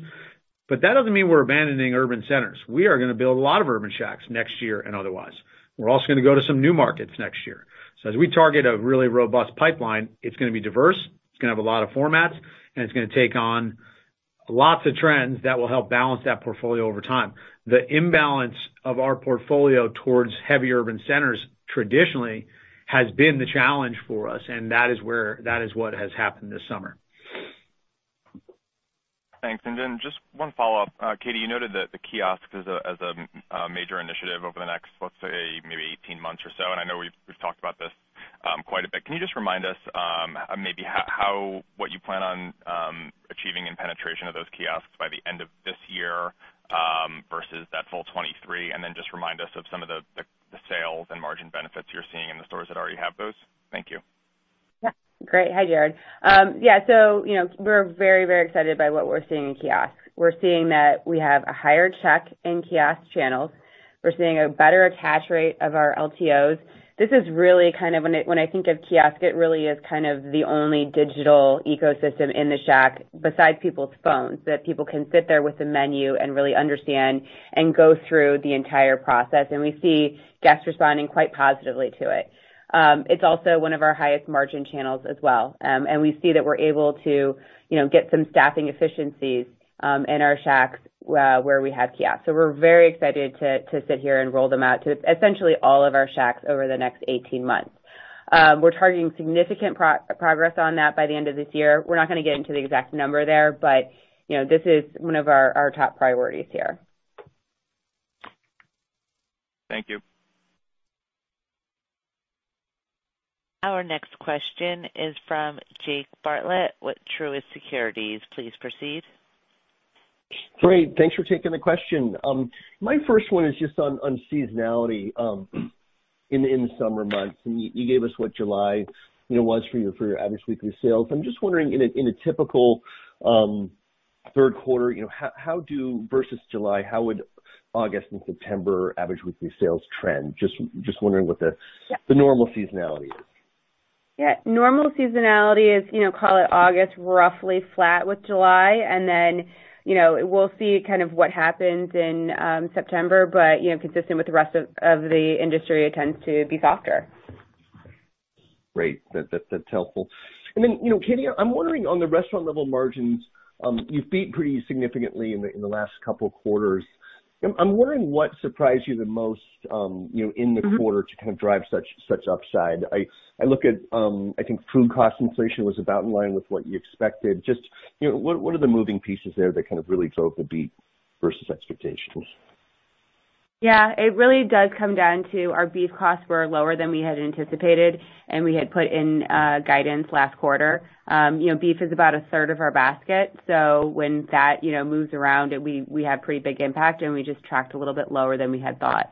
That doesn't mean we're abandoning urban centers. We are gonna build a lot of urban Shacks next year and otherwise. We're also gonna go to some new markets next year. As we target a really robust pipeline, it's gonna be diverse, it's gonna have a lot of formats, and it's gonna take on lots of trends that will help balance that portfolio over time. The imbalance of our portfolio towards heavy urban centers traditionally has been the challenge for us, and that is what has happened this summer. Thanks. Just one follow-up. Katie, you noted that the kiosks as a major initiative over the next, let's say, maybe 18 months or so, and I know we've talked about this quite a bit. Can you just remind us, maybe what you plan on achieving in penetration of those kiosks by the end of this year, versus that full 2023? Just remind us of some of the sales and margin benefits you're seeing in the stores that already have those. Thank you. Great. Hi, Jared. You know, we're very, very excited by what we're seeing in kiosks. We're seeing that we have a higher check in kiosk channels. We're seeing a better attach rate of our LTOs. This is really kind of when I think of kiosk, it really is kind of the only digital ecosystem in the Shack besides people's phones, that people can sit there with the menu and really understand and go through the entire process. And we see guests responding quite positively to it. It's also one of our highest margin channels as well. And we see that we're able to, you know, get some staffing efficiencies in our Shacks where we have kiosks. We're very excited to sit here and roll them out to essentially all of our Shacks over the next 18 months. We're targeting significant progress on that by the end of this year. We're not gonna get into the exact number there, but you know, this is one of our top priorities here. Thank you. Our next question is from Jake Bartlett with Truist Securities. Please proceed. Great. Thanks for taking the question. My first one is just on seasonality in the summer months. You gave us what July you know was for your average weekly sales. I'm just wondering in a typical third quarter you know how versus July how would August and September average weekly sales trend? Just wondering what the Yeah. The normal seasonality is. Yeah. Normal seasonality is, you know, call it August roughly flat with July. You know, we'll see kind of what happens in September. You know, consistent with the rest of the industry, it tends to be softer. Great. That's helpful. You know, Katie, I'm wondering on the restaurant level margins, you've beat pretty significantly in the last couple of quarters. I'm wondering what surprised you the most, you know, in the quarter to kind of drive such upside. I look at, I think food cost inflation was about in line with what you expected. Just, you know, what are the moving pieces there that kind of really drove the beat versus expectations? Yeah. It really does come down to our beef costs were lower than we had anticipated, and we had put in guidance last quarter. You know, beef is about a third of our basket, so when that, you know, moves around, we have pretty big impact, and we just tracked a little bit lower than we had thought.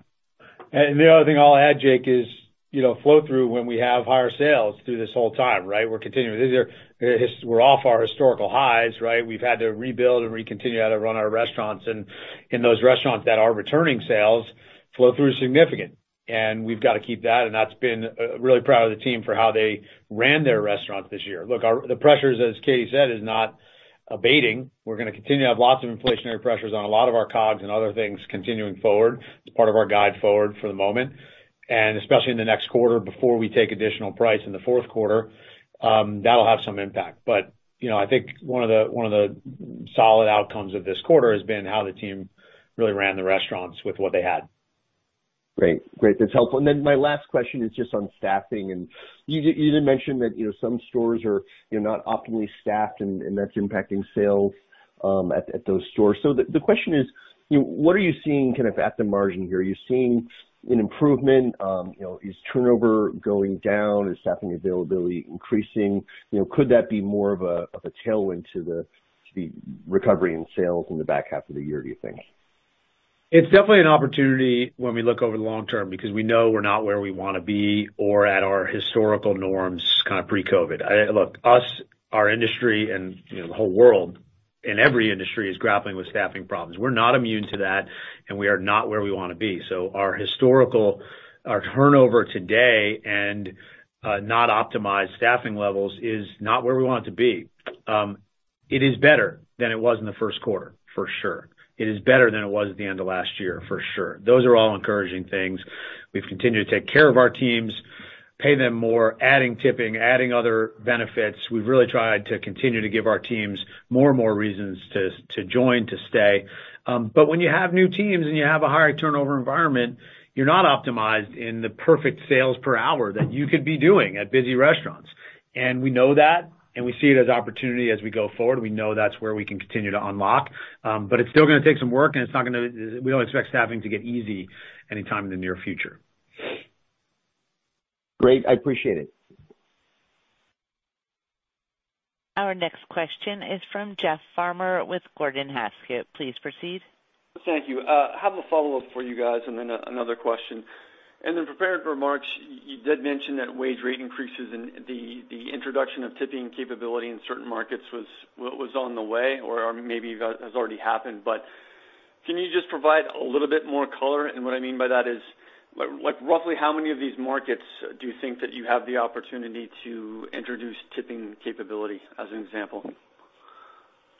The other thing I'll add, Jake, is, you know, flow-through when we have higher sales through this whole time, right? We're continuing. We're off our historical highs, right? We've had to rebuild and relearn how to run our restaurants. In those restaurants that are returning sales, flow-through is significant. We've got to keep that, and we've been really proud of the team for how they ran their restaurants this year. Look, the pressures, as Katie said, is not abating. We're gonna continue to have lots of inflationary pressures on a lot of our COGS and other things continuing forward. It's part of our guidance forward for the moment. Especially in the next quarter before we take additional price in the fourth quarter, that'll have some impact. You know, I think one of the solid outcomes of this quarter has been how the team really ran the restaurants with what they had. Great. That's helpful. Then my last question is just on staffing. You did mention that, you know, some stores are, you know, not optimally staffed and that's impacting sales at those stores. The question is, you know, what are you seeing kind of at the margin here? Are you seeing an improvement? You know, is turnover going down? Is staffing availability increasing? You know, could that be more of a tailwind to the recovery in sales in the back half of the year, do you think? It's definitely an opportunity when we look over the long term because we know we're not where we wanna be or at our historical norms kind of pre-COVID. Look, us, our industry and, you know, the whole world in every industry is grappling with staffing problems. We're not immune to that, and we are not where we wanna be. Our historical turnover today and not optimized staffing levels is not where we want it to be. It is better than it was in the first quarter, for sure. It is better than it was at the end of last year, for sure. Those are all encouraging things. We've continued to take care of our teams, pay them more, adding tipping, adding other benefits. We've really tried to continue to give our teams more and more reasons to join, to stay. When you have new teams and you have a higher turnover environment, you're not optimized in the perfect sales per hour that you could be doing at busy restaurants. We know that, and we see it as opportunity as we go forward. We know that's where we can continue to unlock. It's still gonna take some work. We don't expect staffing to get easy anytime in the near future. Great. I appreciate it. Our next question is from Jeff Farmer with Gordon Haskett. Please proceed. Thank you. Have a follow-up for you guys and then another question. In the prepared remarks, you did mention that wage rate increases and the introduction of tipping capability in certain markets was on the way, or maybe that has already happened. Can you just provide a little bit more color? What I mean by that is like roughly how many of these markets do you think that you have the opportunity to introduce tipping capability, as an example?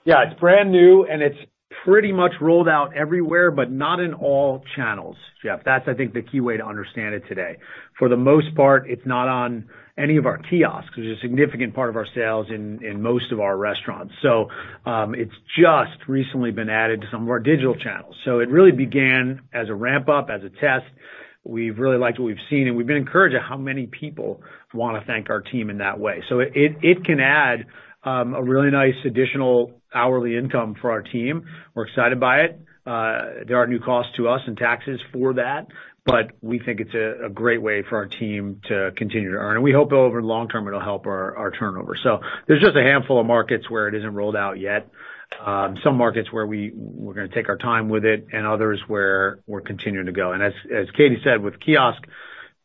Yeah, it's brand new, and it's pretty much rolled out everywhere, but not in all channels, Jeff. That's, I think, the key way to understand it today. For the most part, it's not on any of our kiosks, which is a significant part of our sales in most of our restaurants. It's just recently been added to some of our digital channels. It really began as a ramp-up, as a test. We've really liked what we've seen, and we've been encouraged at how many people wanna thank our team in that way. It can add a really nice additional hourly income for our team. We're excited by it. There are new costs to us and taxes for that, but we think it's a great way for our team to continue to earn. We hope over long term it'll help our turnover. There's just a handful of markets where it isn't rolled out yet. Some markets where we're gonna take our time with it and others where we're continuing to go. As Katie said, with kiosk,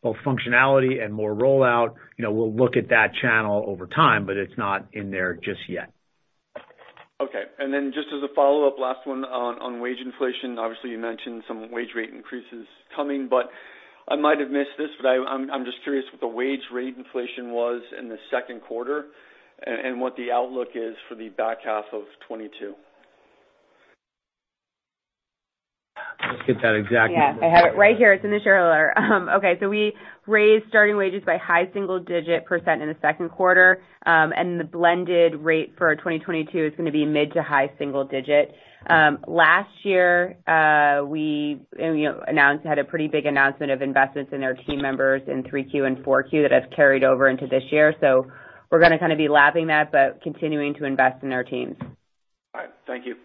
both functionality and more rollout, you know, we'll look at that channel over time, but it's not in there just yet. Okay. Then just as a follow-up, last one on wage inflation. Obviously, you mentioned some wage rate increases coming, but I might have missed this, but I'm just curious what the wage rate inflation was in the second quarter and what the outlook is for the back half of 2022. Let's get that exactly. Yeah, I have it right here. It's in the shareholder. Okay, so we raised starting wages by high single-digit% in the second quarter, and the blended rate for 2022 is gonna be mid- to high single-digit%. Last year, we, you know, had a pretty big announcement of investments in our team members in 3Q and 4Q that has carried over into this year. We're gonna kinda be lapping that, but continuing to invest in our teams. All right. Thank you.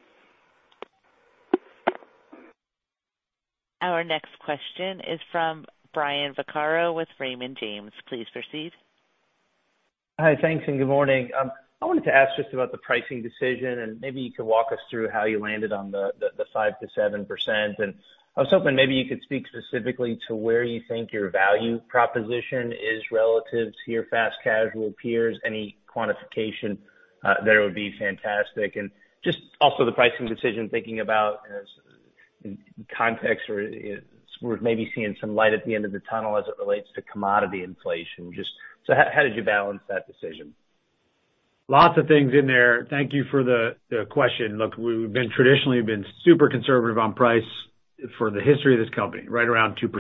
Our next question is from Brian Vaccaro with Raymond James. Please proceed. Hi. Thanks, and good morning. I wanted to ask just about the pricing decision, and maybe you could walk us through how you landed on the 5%-7%. I was hoping maybe you could speak specifically to where you think your value proposition is relative to your fast casual peers. Any quantification there would be fantastic. Just also the pricing decision, thinking about it in context or we're maybe seeing some light at the end of the tunnel as it relates to commodity inflation. Just, so how did you balance that decision? Lots of things in there. Thank you for the question. Look, we've been traditionally super conservative on price for the history of this company, right around 2%,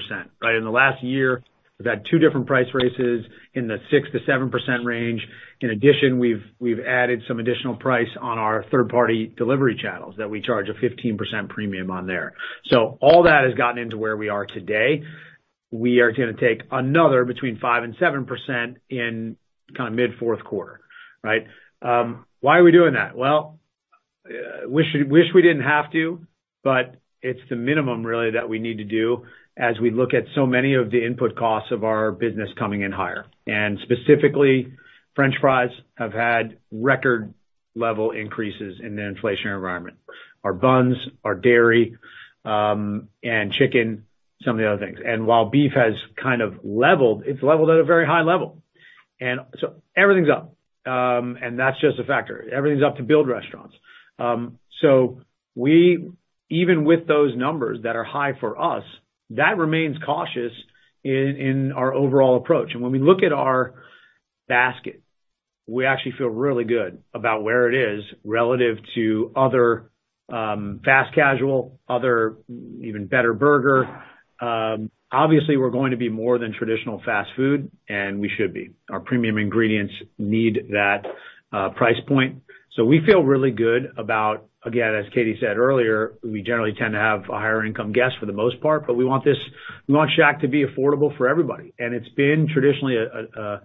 right? In the last year, we've had two different price raises in the 6%-7% range. In addition, we've added some additional price on our third-party delivery channels that we charge a 15% premium on there. All that has gotten into where we are today. We are gonna take another between 5% and 7% in kinda mid fourth quarter, right? Why are we doing that? Well, wish we didn't have to, but it's the minimum really that we need to do as we look at so many of the input costs of our business coming in higher. Specifically, French fries have had record level increases in the inflationary environment. Our buns, our dairy, and chicken, some of the other things. While beef has kind of leveled, it's leveled at a very high level. Everything's up, and that's just a factor. Everything's up to build restaurants. We even with those numbers that are high for us, that remains cautious in our overall approach. When we look at our basket, we actually feel really good about where it is relative to other, fast casual, other even better burger. Obviously, we're going to be more than traditional fast food, and we should be. Our premium ingredients need that price point. We feel really good about. Again, as Katie said earlier, we generally tend to have a higher income guest for the most part, but we want this. We want Shack to be affordable for everybody. It's been traditionally a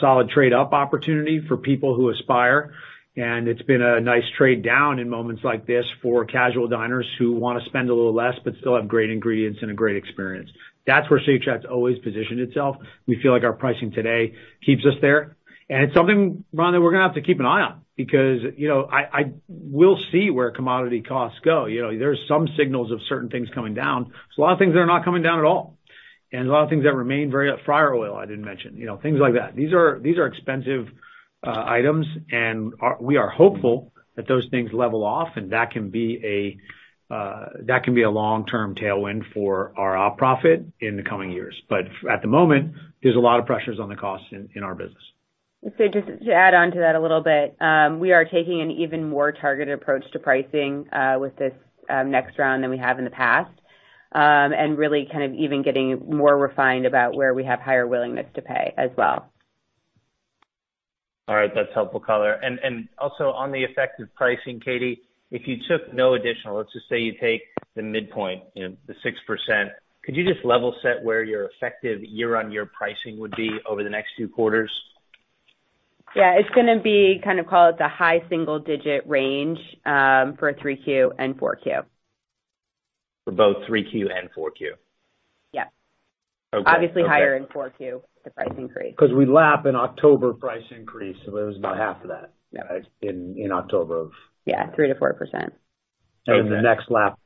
solid trade-up opportunity for people who aspire, and it's been a nice trade-down in moments like this for casual diners who wanna spend a little less but still have great ingredients and a great experience. That's where Shake Shack's always positioned itself. We feel like our pricing today keeps us there. It's something, Brian, that we're gonna have to keep an eye on because, you know, we'll see where commodity costs go. You know, there's some signals of certain things coming down. There's a lot of things that are not coming down at all, and there's a lot of things that remain very up. Fryer oil, I didn't mention. You know, things like that. These are expensive items, and we are hopeful that those things level off, and that can be a long-term tailwind for our op profit in the coming years. But at the moment, there's a lot of pressures on the cost in our business. Just to add on to that a little bit, we are taking an even more targeted approach to pricing with this next round than we have in the past, and really kind of even getting more refined about where we have higher willingness to pay as well. All right. That's helpful color. Also on the effective pricing, Katie, if you took no additional, let's just say you take the midpoint, you know, the 6%, could you just level set where your effective year-on-year pricing would be over the next two quarters? Yeah, it's gonna be kind of call it the high single digit range for 3Q and 4Q. For both 3Q and 4Q? Yeah. Okay. Obviously higher in 4Q, the price increase. Because we lap in October price increase, so it was about half of that. Yeah. in October of Yeah, 3%-4%. The next lap,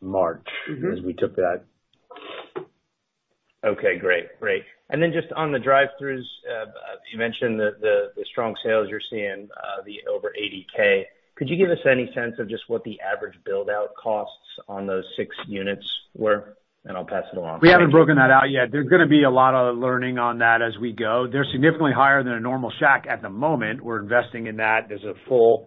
March. Mm-hmm. as we took that. Okay, great. Great. Just on the drive-throughs, you mentioned the strong sales you're seeing, the over $80,000. Could you give us any sense of just what the average build out costs on those six units were? I'll pass it along to Randy. We haven't broken that out yet. There's gonna be a lot of learning on that as we go. They're significantly higher than a normal Shack at the moment. We're investing in that. There's a full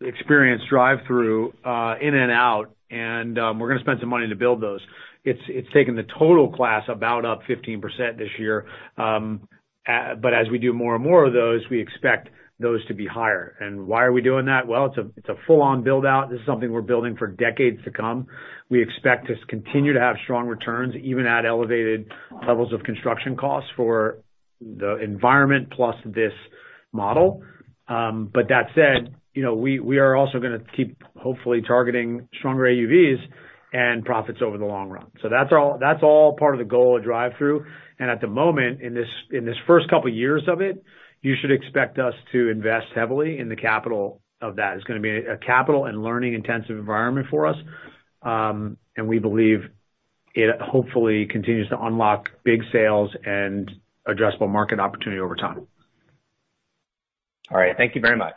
experience drive-through in and out, and we're gonna spend some money to build those. It's taken the total capex about up 15% this year. But as we do more and more of those, we expect those to be higher. Why are we doing that? Well, it's a full on build out. This is something we're building for decades to come. We expect to continue to have strong returns, even at elevated levels of construction costs in the environment plus this model. That said, you know, we are also gonna keep hopefully targeting stronger AUVs and profits over the long run. That's all part of the goal of drive-through. At the moment, in this first couple years of it, you should expect us to invest heavily in the capital of that. It's gonna be a capital and learning intensive environment for us, and we believe it hopefully continues to unlock big sales and addressable market opportunity over time. All right. Thank you very much.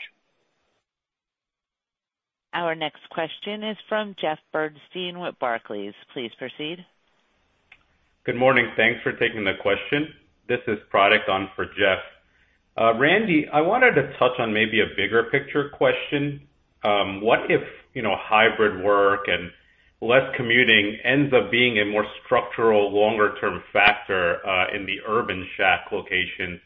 Our next question is from Jeffrey Bernstein with Barclays. Please proceed. Good morning. Thanks for taking the question. This is Pratik on for Jeff. Randy, I wanted to touch on maybe a bigger picture question. What if, you know, hybrid work and less commuting ends up being a more structural longer term factor in the urban Shack location?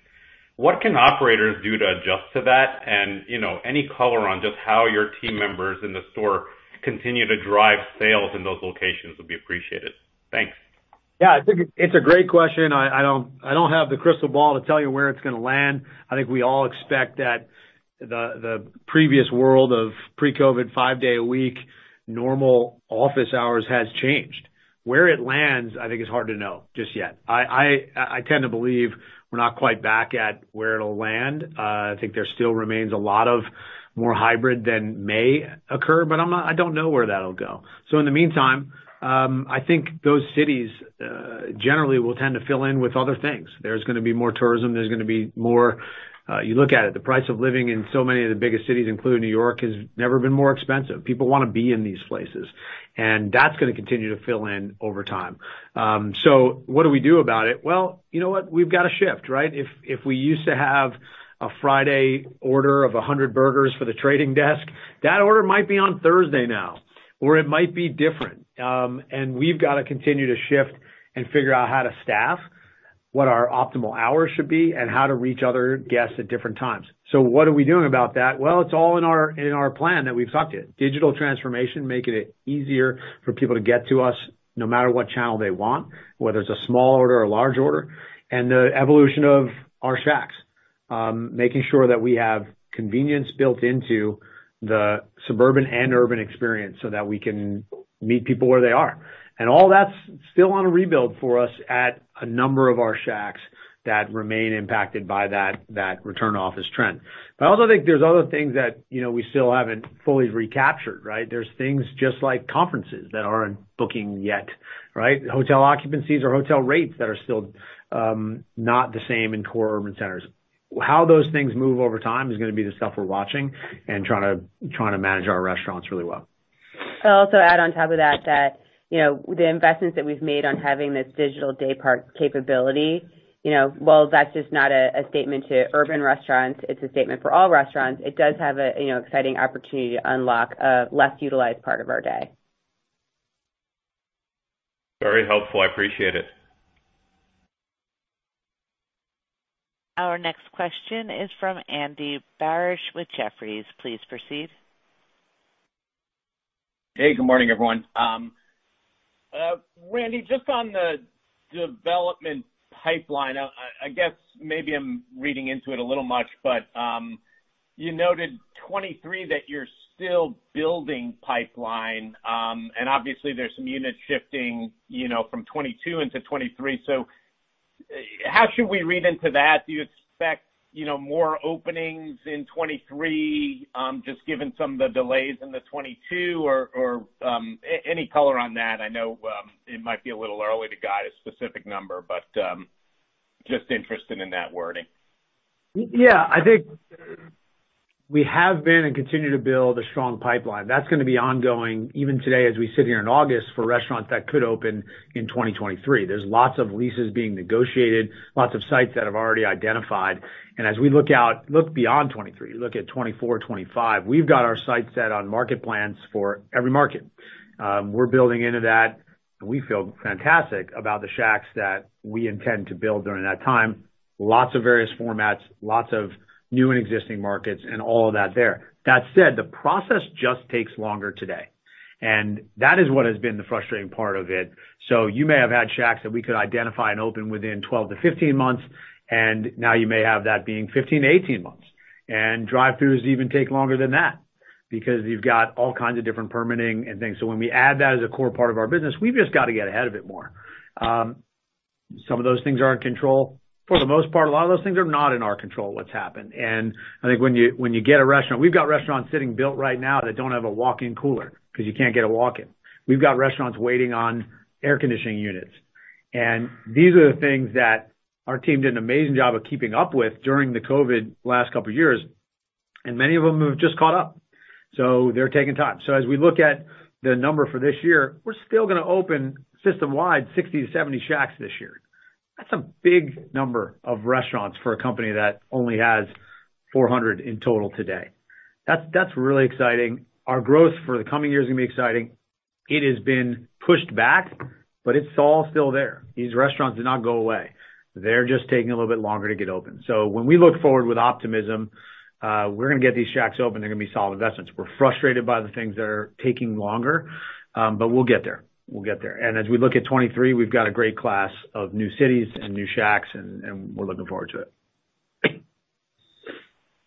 What can operators do to adjust to that? You know, any color on just how your team members in the store continue to drive sales in those locations would be appreciated. Thanks. Yeah. I think it's a great question. I don't have the crystal ball to tell you where it's gonna land. I think we all expect that the previous world of pre-COVID, five day a week, normal office hours has changed. Where it lands, I think it's hard to know just yet. I tend to believe we're not quite back at where it'll land. I think there still remains a lot of more hybrid than may occur, but I don't know where that'll go. In the meantime, I think those cities generally will tend to fill in with other things. There's gonna be more tourism. There's gonna be more, you look at it, the price of living in so many of the biggest cities, including New York, has never been more expensive. People wanna be in these places, and that's gonna continue to fill in over time. What do we do about it? Well, you know what? We've got to shift, right? If we used to have a Friday order of 100 burgers for the trading desk, that order might be on Thursday now, or it might be different. We've got to continue to shift and figure out how to staff, what our optimal hours should be and how to reach other guests at different times. What are we doing about that? Well, it's all in our plan that we've talked about. Digital transformation, making it easier for people to get to us no matter what channel they want, whether it's a small order or large order. The evolution of our Shacks, making sure that we have convenience built into the suburban and urban experience so that we can meet people where they are. All that's still on a rebuild for us at a number of our Shacks that remain impacted by that return office trend. But I also think there's other things that, you know, we still haven't fully recaptured, right? There's things just like conferences that aren't booking yet, right? Hotel occupancies or hotel rates that are still not the same in core urban centers. How those things move over time is gonna be the stuff we're watching and trying to manage our restaurants really well. I'll also add on top of that you know, the investments that we've made on having this digital daypart capability, you know, while that's just not a statement to urban restaurants, it's a statement for all restaurants. It does have a, you know, exciting opportunity to unlock a less utilized part of our day. Very helpful. I appreciate it. Our next question is from Andy Barish with Jefferies. Please proceed. Hey, good morning, everyone. Randy, just on the development pipeline, I guess maybe I'm reading into it a little much, but you noted 2023 that you're still building pipeline, and obviously there's some units shifting, you know, from 2022 into 2023. How should we read into that? Do you expect, you know, more openings in 2023, just given some of the delays in the 2022 or any color on that? I know it might be a little early to guide a specific number, but just interested in that wording. Yeah. We have been and continue to build a strong pipeline. That's gonna be ongoing even today as we sit here in August for restaurants that could open in 2023. There's lots of leases being negotiated, lots of sites that have already been identified. As we look out, look beyond 2023, look at 2024, 2025, we've got our sights set on market plans for every market. We're building into that. We feel fantastic about the Shacks that we intend to build during that time. Lots of various formats, lots of new and existing markets and all of that there. That said, the process just takes longer today, and that is what has been the frustrating part of it. You may have had Shacks that we could identify and open within 12-15 months, and now you may have that being 15-18 months. Drive-throughs even take longer than that because you've got all kinds of different permitting and things. When we add that as a core part of our business, we've just got to get ahead of it more. Some of those things are in control. For the most part, a lot of those things are not in our control, what's happened. I think when you get a restaurant. We've got restaurants sitting built right now that don't have a walk-in cooler because you can't get a walk-in. We've got restaurants waiting on air conditioning units. These are the things that our team did an amazing job of keeping up with during the COVID last couple of years, and many of them have just caught up. They're taking time. As we look at the number for this year, we're still gonna open system-wide 60-70 Shacks this year. That's a big number of restaurants for a company that only has 400 in total today. That's really exciting. Our growth for the coming years is gonna be exciting. It has been pushed back, but it's all still there. These restaurants did not go away. They're just taking a little bit longer to get open. When we look forward with optimism, we're gonna get these Shacks open. They're gonna be solid investments. We're frustrated by the things that are taking longer, but we'll get there. We'll get there. As we look at 2023, we've got a great class of new cities and new Shacks and we're looking forward to it.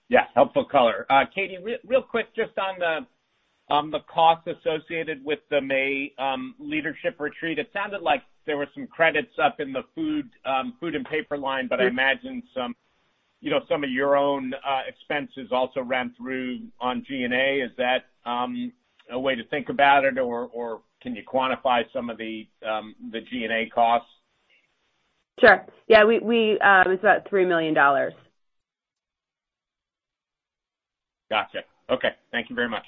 Yeah, helpful color. Katie, real quick, just on the cost associated with the May leadership retreat. It sounded like there were some credits up in the food and paper line, but I imagine some, you know, some of your own expenses also ran through on G&A. Is that a way to think about it, or can you quantify some of the G&A costs? Sure. Yeah, it's about $3 million. Gotcha. Okay. Thank you very much.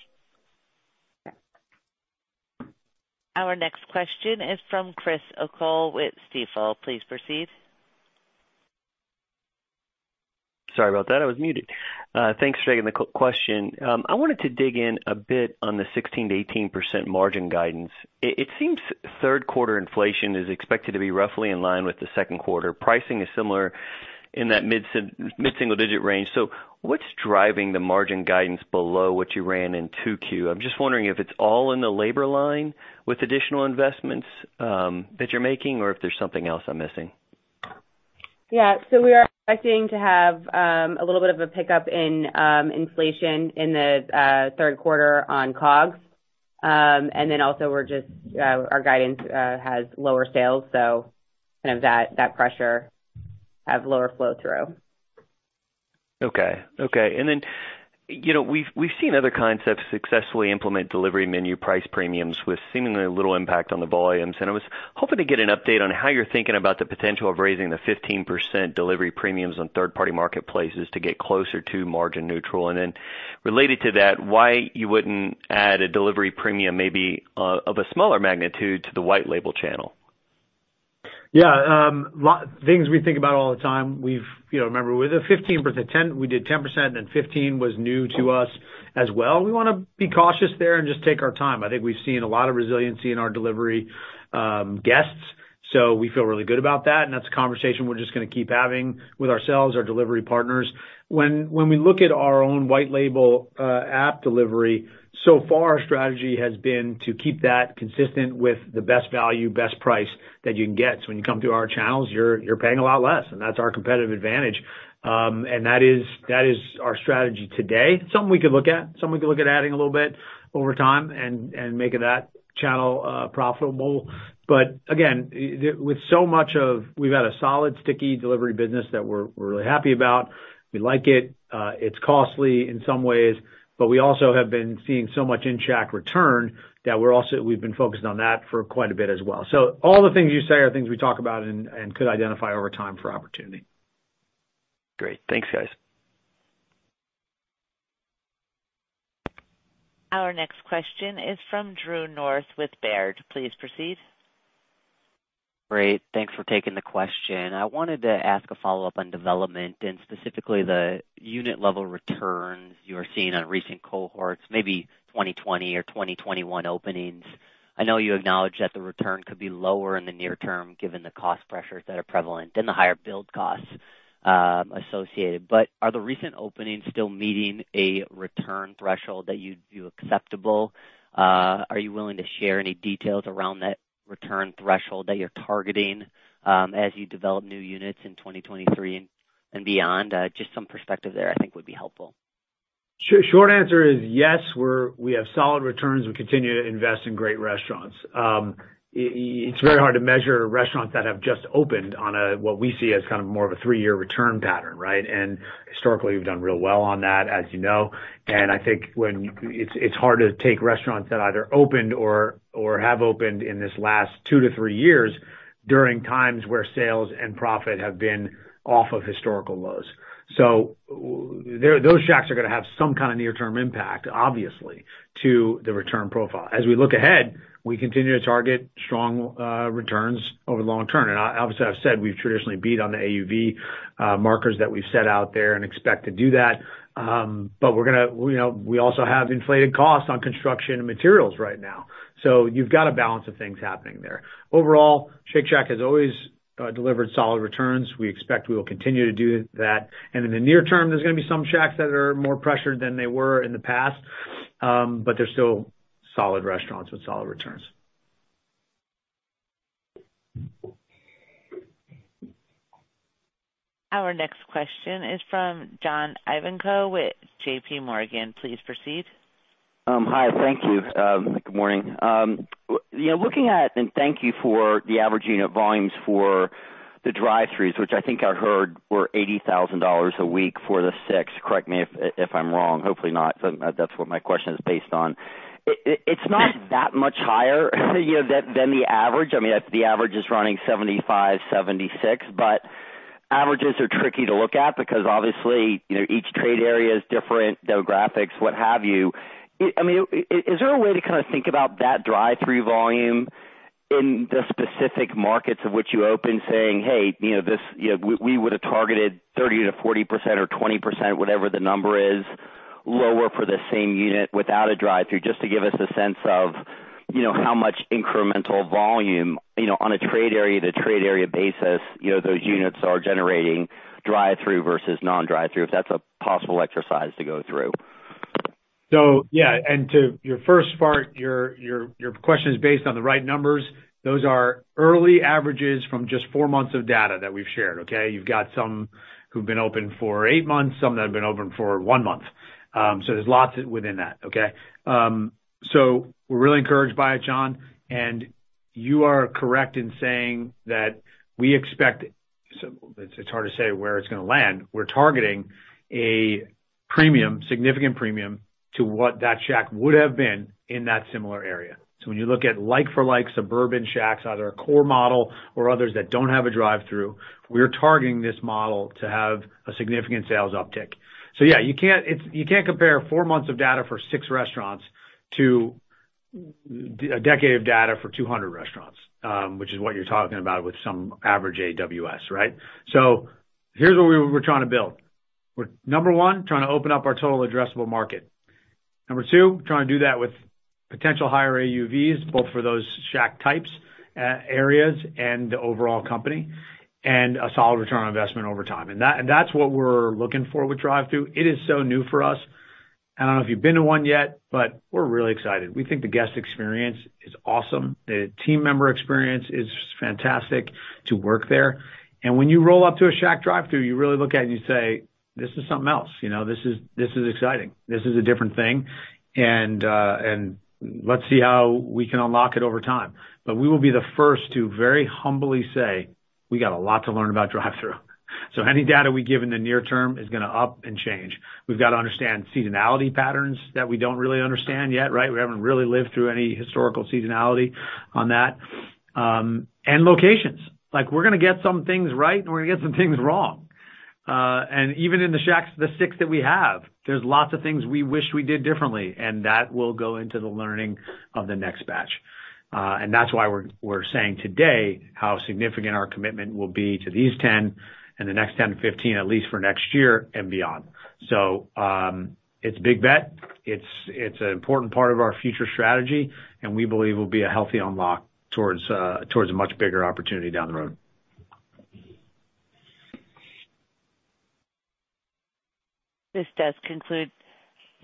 Our next question is from Chris O'Cull with Stifel. Please proceed. Sorry about that, I was muted. Thanks for taking the question. I wanted to dig in a bit on the 16%-18% margin guidance. It seems third quarter inflation is expected to be roughly in line with the second quarter. Pricing is similar in that mid-single digit range. What's driving the margin guidance below what you ran in 2Q? I'm just wondering if it's all in the labor line with additional investments that you're making or if there's something else I'm missing. We are expecting to have a little bit of a pickup in inflation in the third quarter on COGS. Then also we're just our guidance has lower sales, so kind of that pressure have lower flow through. Okay. You know, we've seen other concepts successfully implement delivery menu price premiums with seemingly little impact on the volumes. I was hoping to get an update on how you're thinking about the potential of raising the 15% delivery premiums on third-party marketplaces to get closer to margin neutral. Related to that, why you wouldn't add a delivery premium maybe of a smaller magnitude to the white label channel? Yeah. Things we think about all the time. You know, remember, with the 15%, we did 10%, and then 15% was new to us as well. We wanna be cautious there and just take our time. I think we've seen a lot of resiliency in our delivery guests, so we feel really good about that, and that's a conversation we're just gonna keep having with ourselves, our delivery partners. When we look at our own white label app delivery, so far our strategy has been to keep that consistent with the best value, best price that you can get. So when you come through our channels, you're paying a lot less, and that's our competitive advantage. That is our strategy today. Something we could look at adding a little bit over time and making that channel profitable. Again, with so much, we've had a solid, sticky delivery business that we're really happy about. We like it. It's costly in some ways, but we also have been seeing so much in Shack return that we're also. We've been focused on that for quite a bit as well. All the things you say are things we talk about and could identify over time for opportunity. Great. Thanks, guys. Our next question is from Drew North with Baird. Please proceed. Great. Thanks for taking the question. I wanted to ask a follow-up on development and specifically the unit level returns you are seeing on recent cohorts, maybe 2020 or 2021 openings. I know you acknowledge that the return could be lower in the near term given the cost pressures that are prevalent and the higher build costs associated. Are the recent openings still meeting a return threshold that you'd view acceptable? Are you willing to share any details around that return threshold that you're targeting as you develop new units in 2023 and beyond? Just some perspective there I think would be helpful. Short answer is yes, we have solid returns. We continue to invest in great restaurants. It's very hard to measure restaurants that have just opened on a, what we see as kind of more of a three-year return pattern, right? Historically, we've done real well on that, as you know. It's hard to take restaurants that either opened or have opened in this last two-three years during times where sales and profit have been off of historical lows. Those Shacks are gonna have some kind of near-term impact, obviously, to the return profile. As we look ahead, we continue to target strong returns over the long term. Obviously, I've said we've traditionally beat on the AUV markers that we've set out there and expect to do that. We're gonna, you know, we also have inflated costs on construction and materials right now. You've got a balance of things happening there. Overall, Shake Shack has always delivered solid returns. We expect we will continue to do that. In the near term, there's gonna be some Shacks that are more pressured than they were in the past, but they're still solid restaurants with solid returns. Our next question is from John Ivankoe with JPMorgan. Please proceed. Hi. Thank you. Good morning. You know, looking at, and thank you for the average unit volumes for the drive-throughs, which I think I heard were $80,000 a week for the six. Correct me if I'm wrong, hopefully not. That's what my question is based on. It's not that much higher, you know, than the average. I mean, the average is running 75, 76, but averages are tricky to look at because obviously, you know, each trade area is different, demographics, what have you. I mean, is there a way to kinda think about that drive-through volume in the specific markets of which you open saying, "Hey, you know, this, you know, we would have targeted 30%-40% or 20%, whatever the number is, lower for the same unit without a drive-through," just to give us a sense of, you know, how much incremental volume, you know, on a trade area to trade area basis, you know, those units are generating drive-through versus non-drive-through, if that's a possible exercise to go through. To your first part, your question is based on the right numbers. Those are early averages from just four months of data that we've shared, okay? You've got some who've been open for eight months, some that have been open for one month. There's lots within that, okay? We're really encouraged by it, John. You are correct in saying that we expect. It's hard to say where it's gonna land. We're targeting a significant premium to what that Shack would have been in that similar area. When you look at like-for-like suburban Shacks, either a core model or others that don't have a drive-through, we're targeting this model to have a significant sales uptick. Yeah, you can't compare four months of data for six restaurants to a decade of data for 200 restaurants, which is what you're talking about with some average AUV, right? Here's what we're trying to build. We're number one, trying to open up our total addressable market. Number two, trying to do that with potential higher AUVs, both for those Shack types, areas and the overall company, and a solid return on investment over time. That's what we're looking for with drive-through. It is so new for us. I don't know if you've been to one yet, but we're really excited. We think the guest experience is awesome. The team member experience is fantastic to work there. When you roll up to a Shack drive-through, you really look at it and you say, "This is something else," you know? "This is exciting. This is a different thing." Let's see how we can unlock it over time. We will be the first to very humbly say, we got a lot to learn about drive-through. Any data we give in the near term is gonna up and change. We've got to understand seasonality patterns that we don't really understand yet, right? We haven't really lived through any historical seasonality on that. Locations. Like, we're gonna get some things right, and we're gonna get some things wrong. Even in the Shacks, the six that we have, there's lots of things we wish we did differently, and that will go into the learning of the next batch. That's why we're saying today how significant our commitment will be to these 10 and the next 10 to 15, at least for next year and beyond. It's a big bet. It's an important part of our future strategy, and we believe will be a healthy unlock towards a much bigger opportunity down the road. This does conclude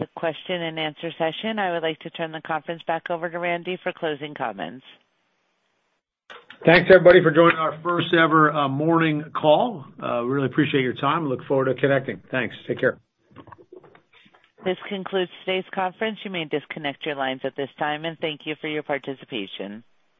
the question and answer session. I would like to turn the conference back over to Randy for closing comments. Thanks, everybody, for joining our first ever morning call. We really appreciate your time. We look forward to connecting. Thanks. Take care. This concludes today's conference. You may disconnect your lines at this time, and thank you for your participation.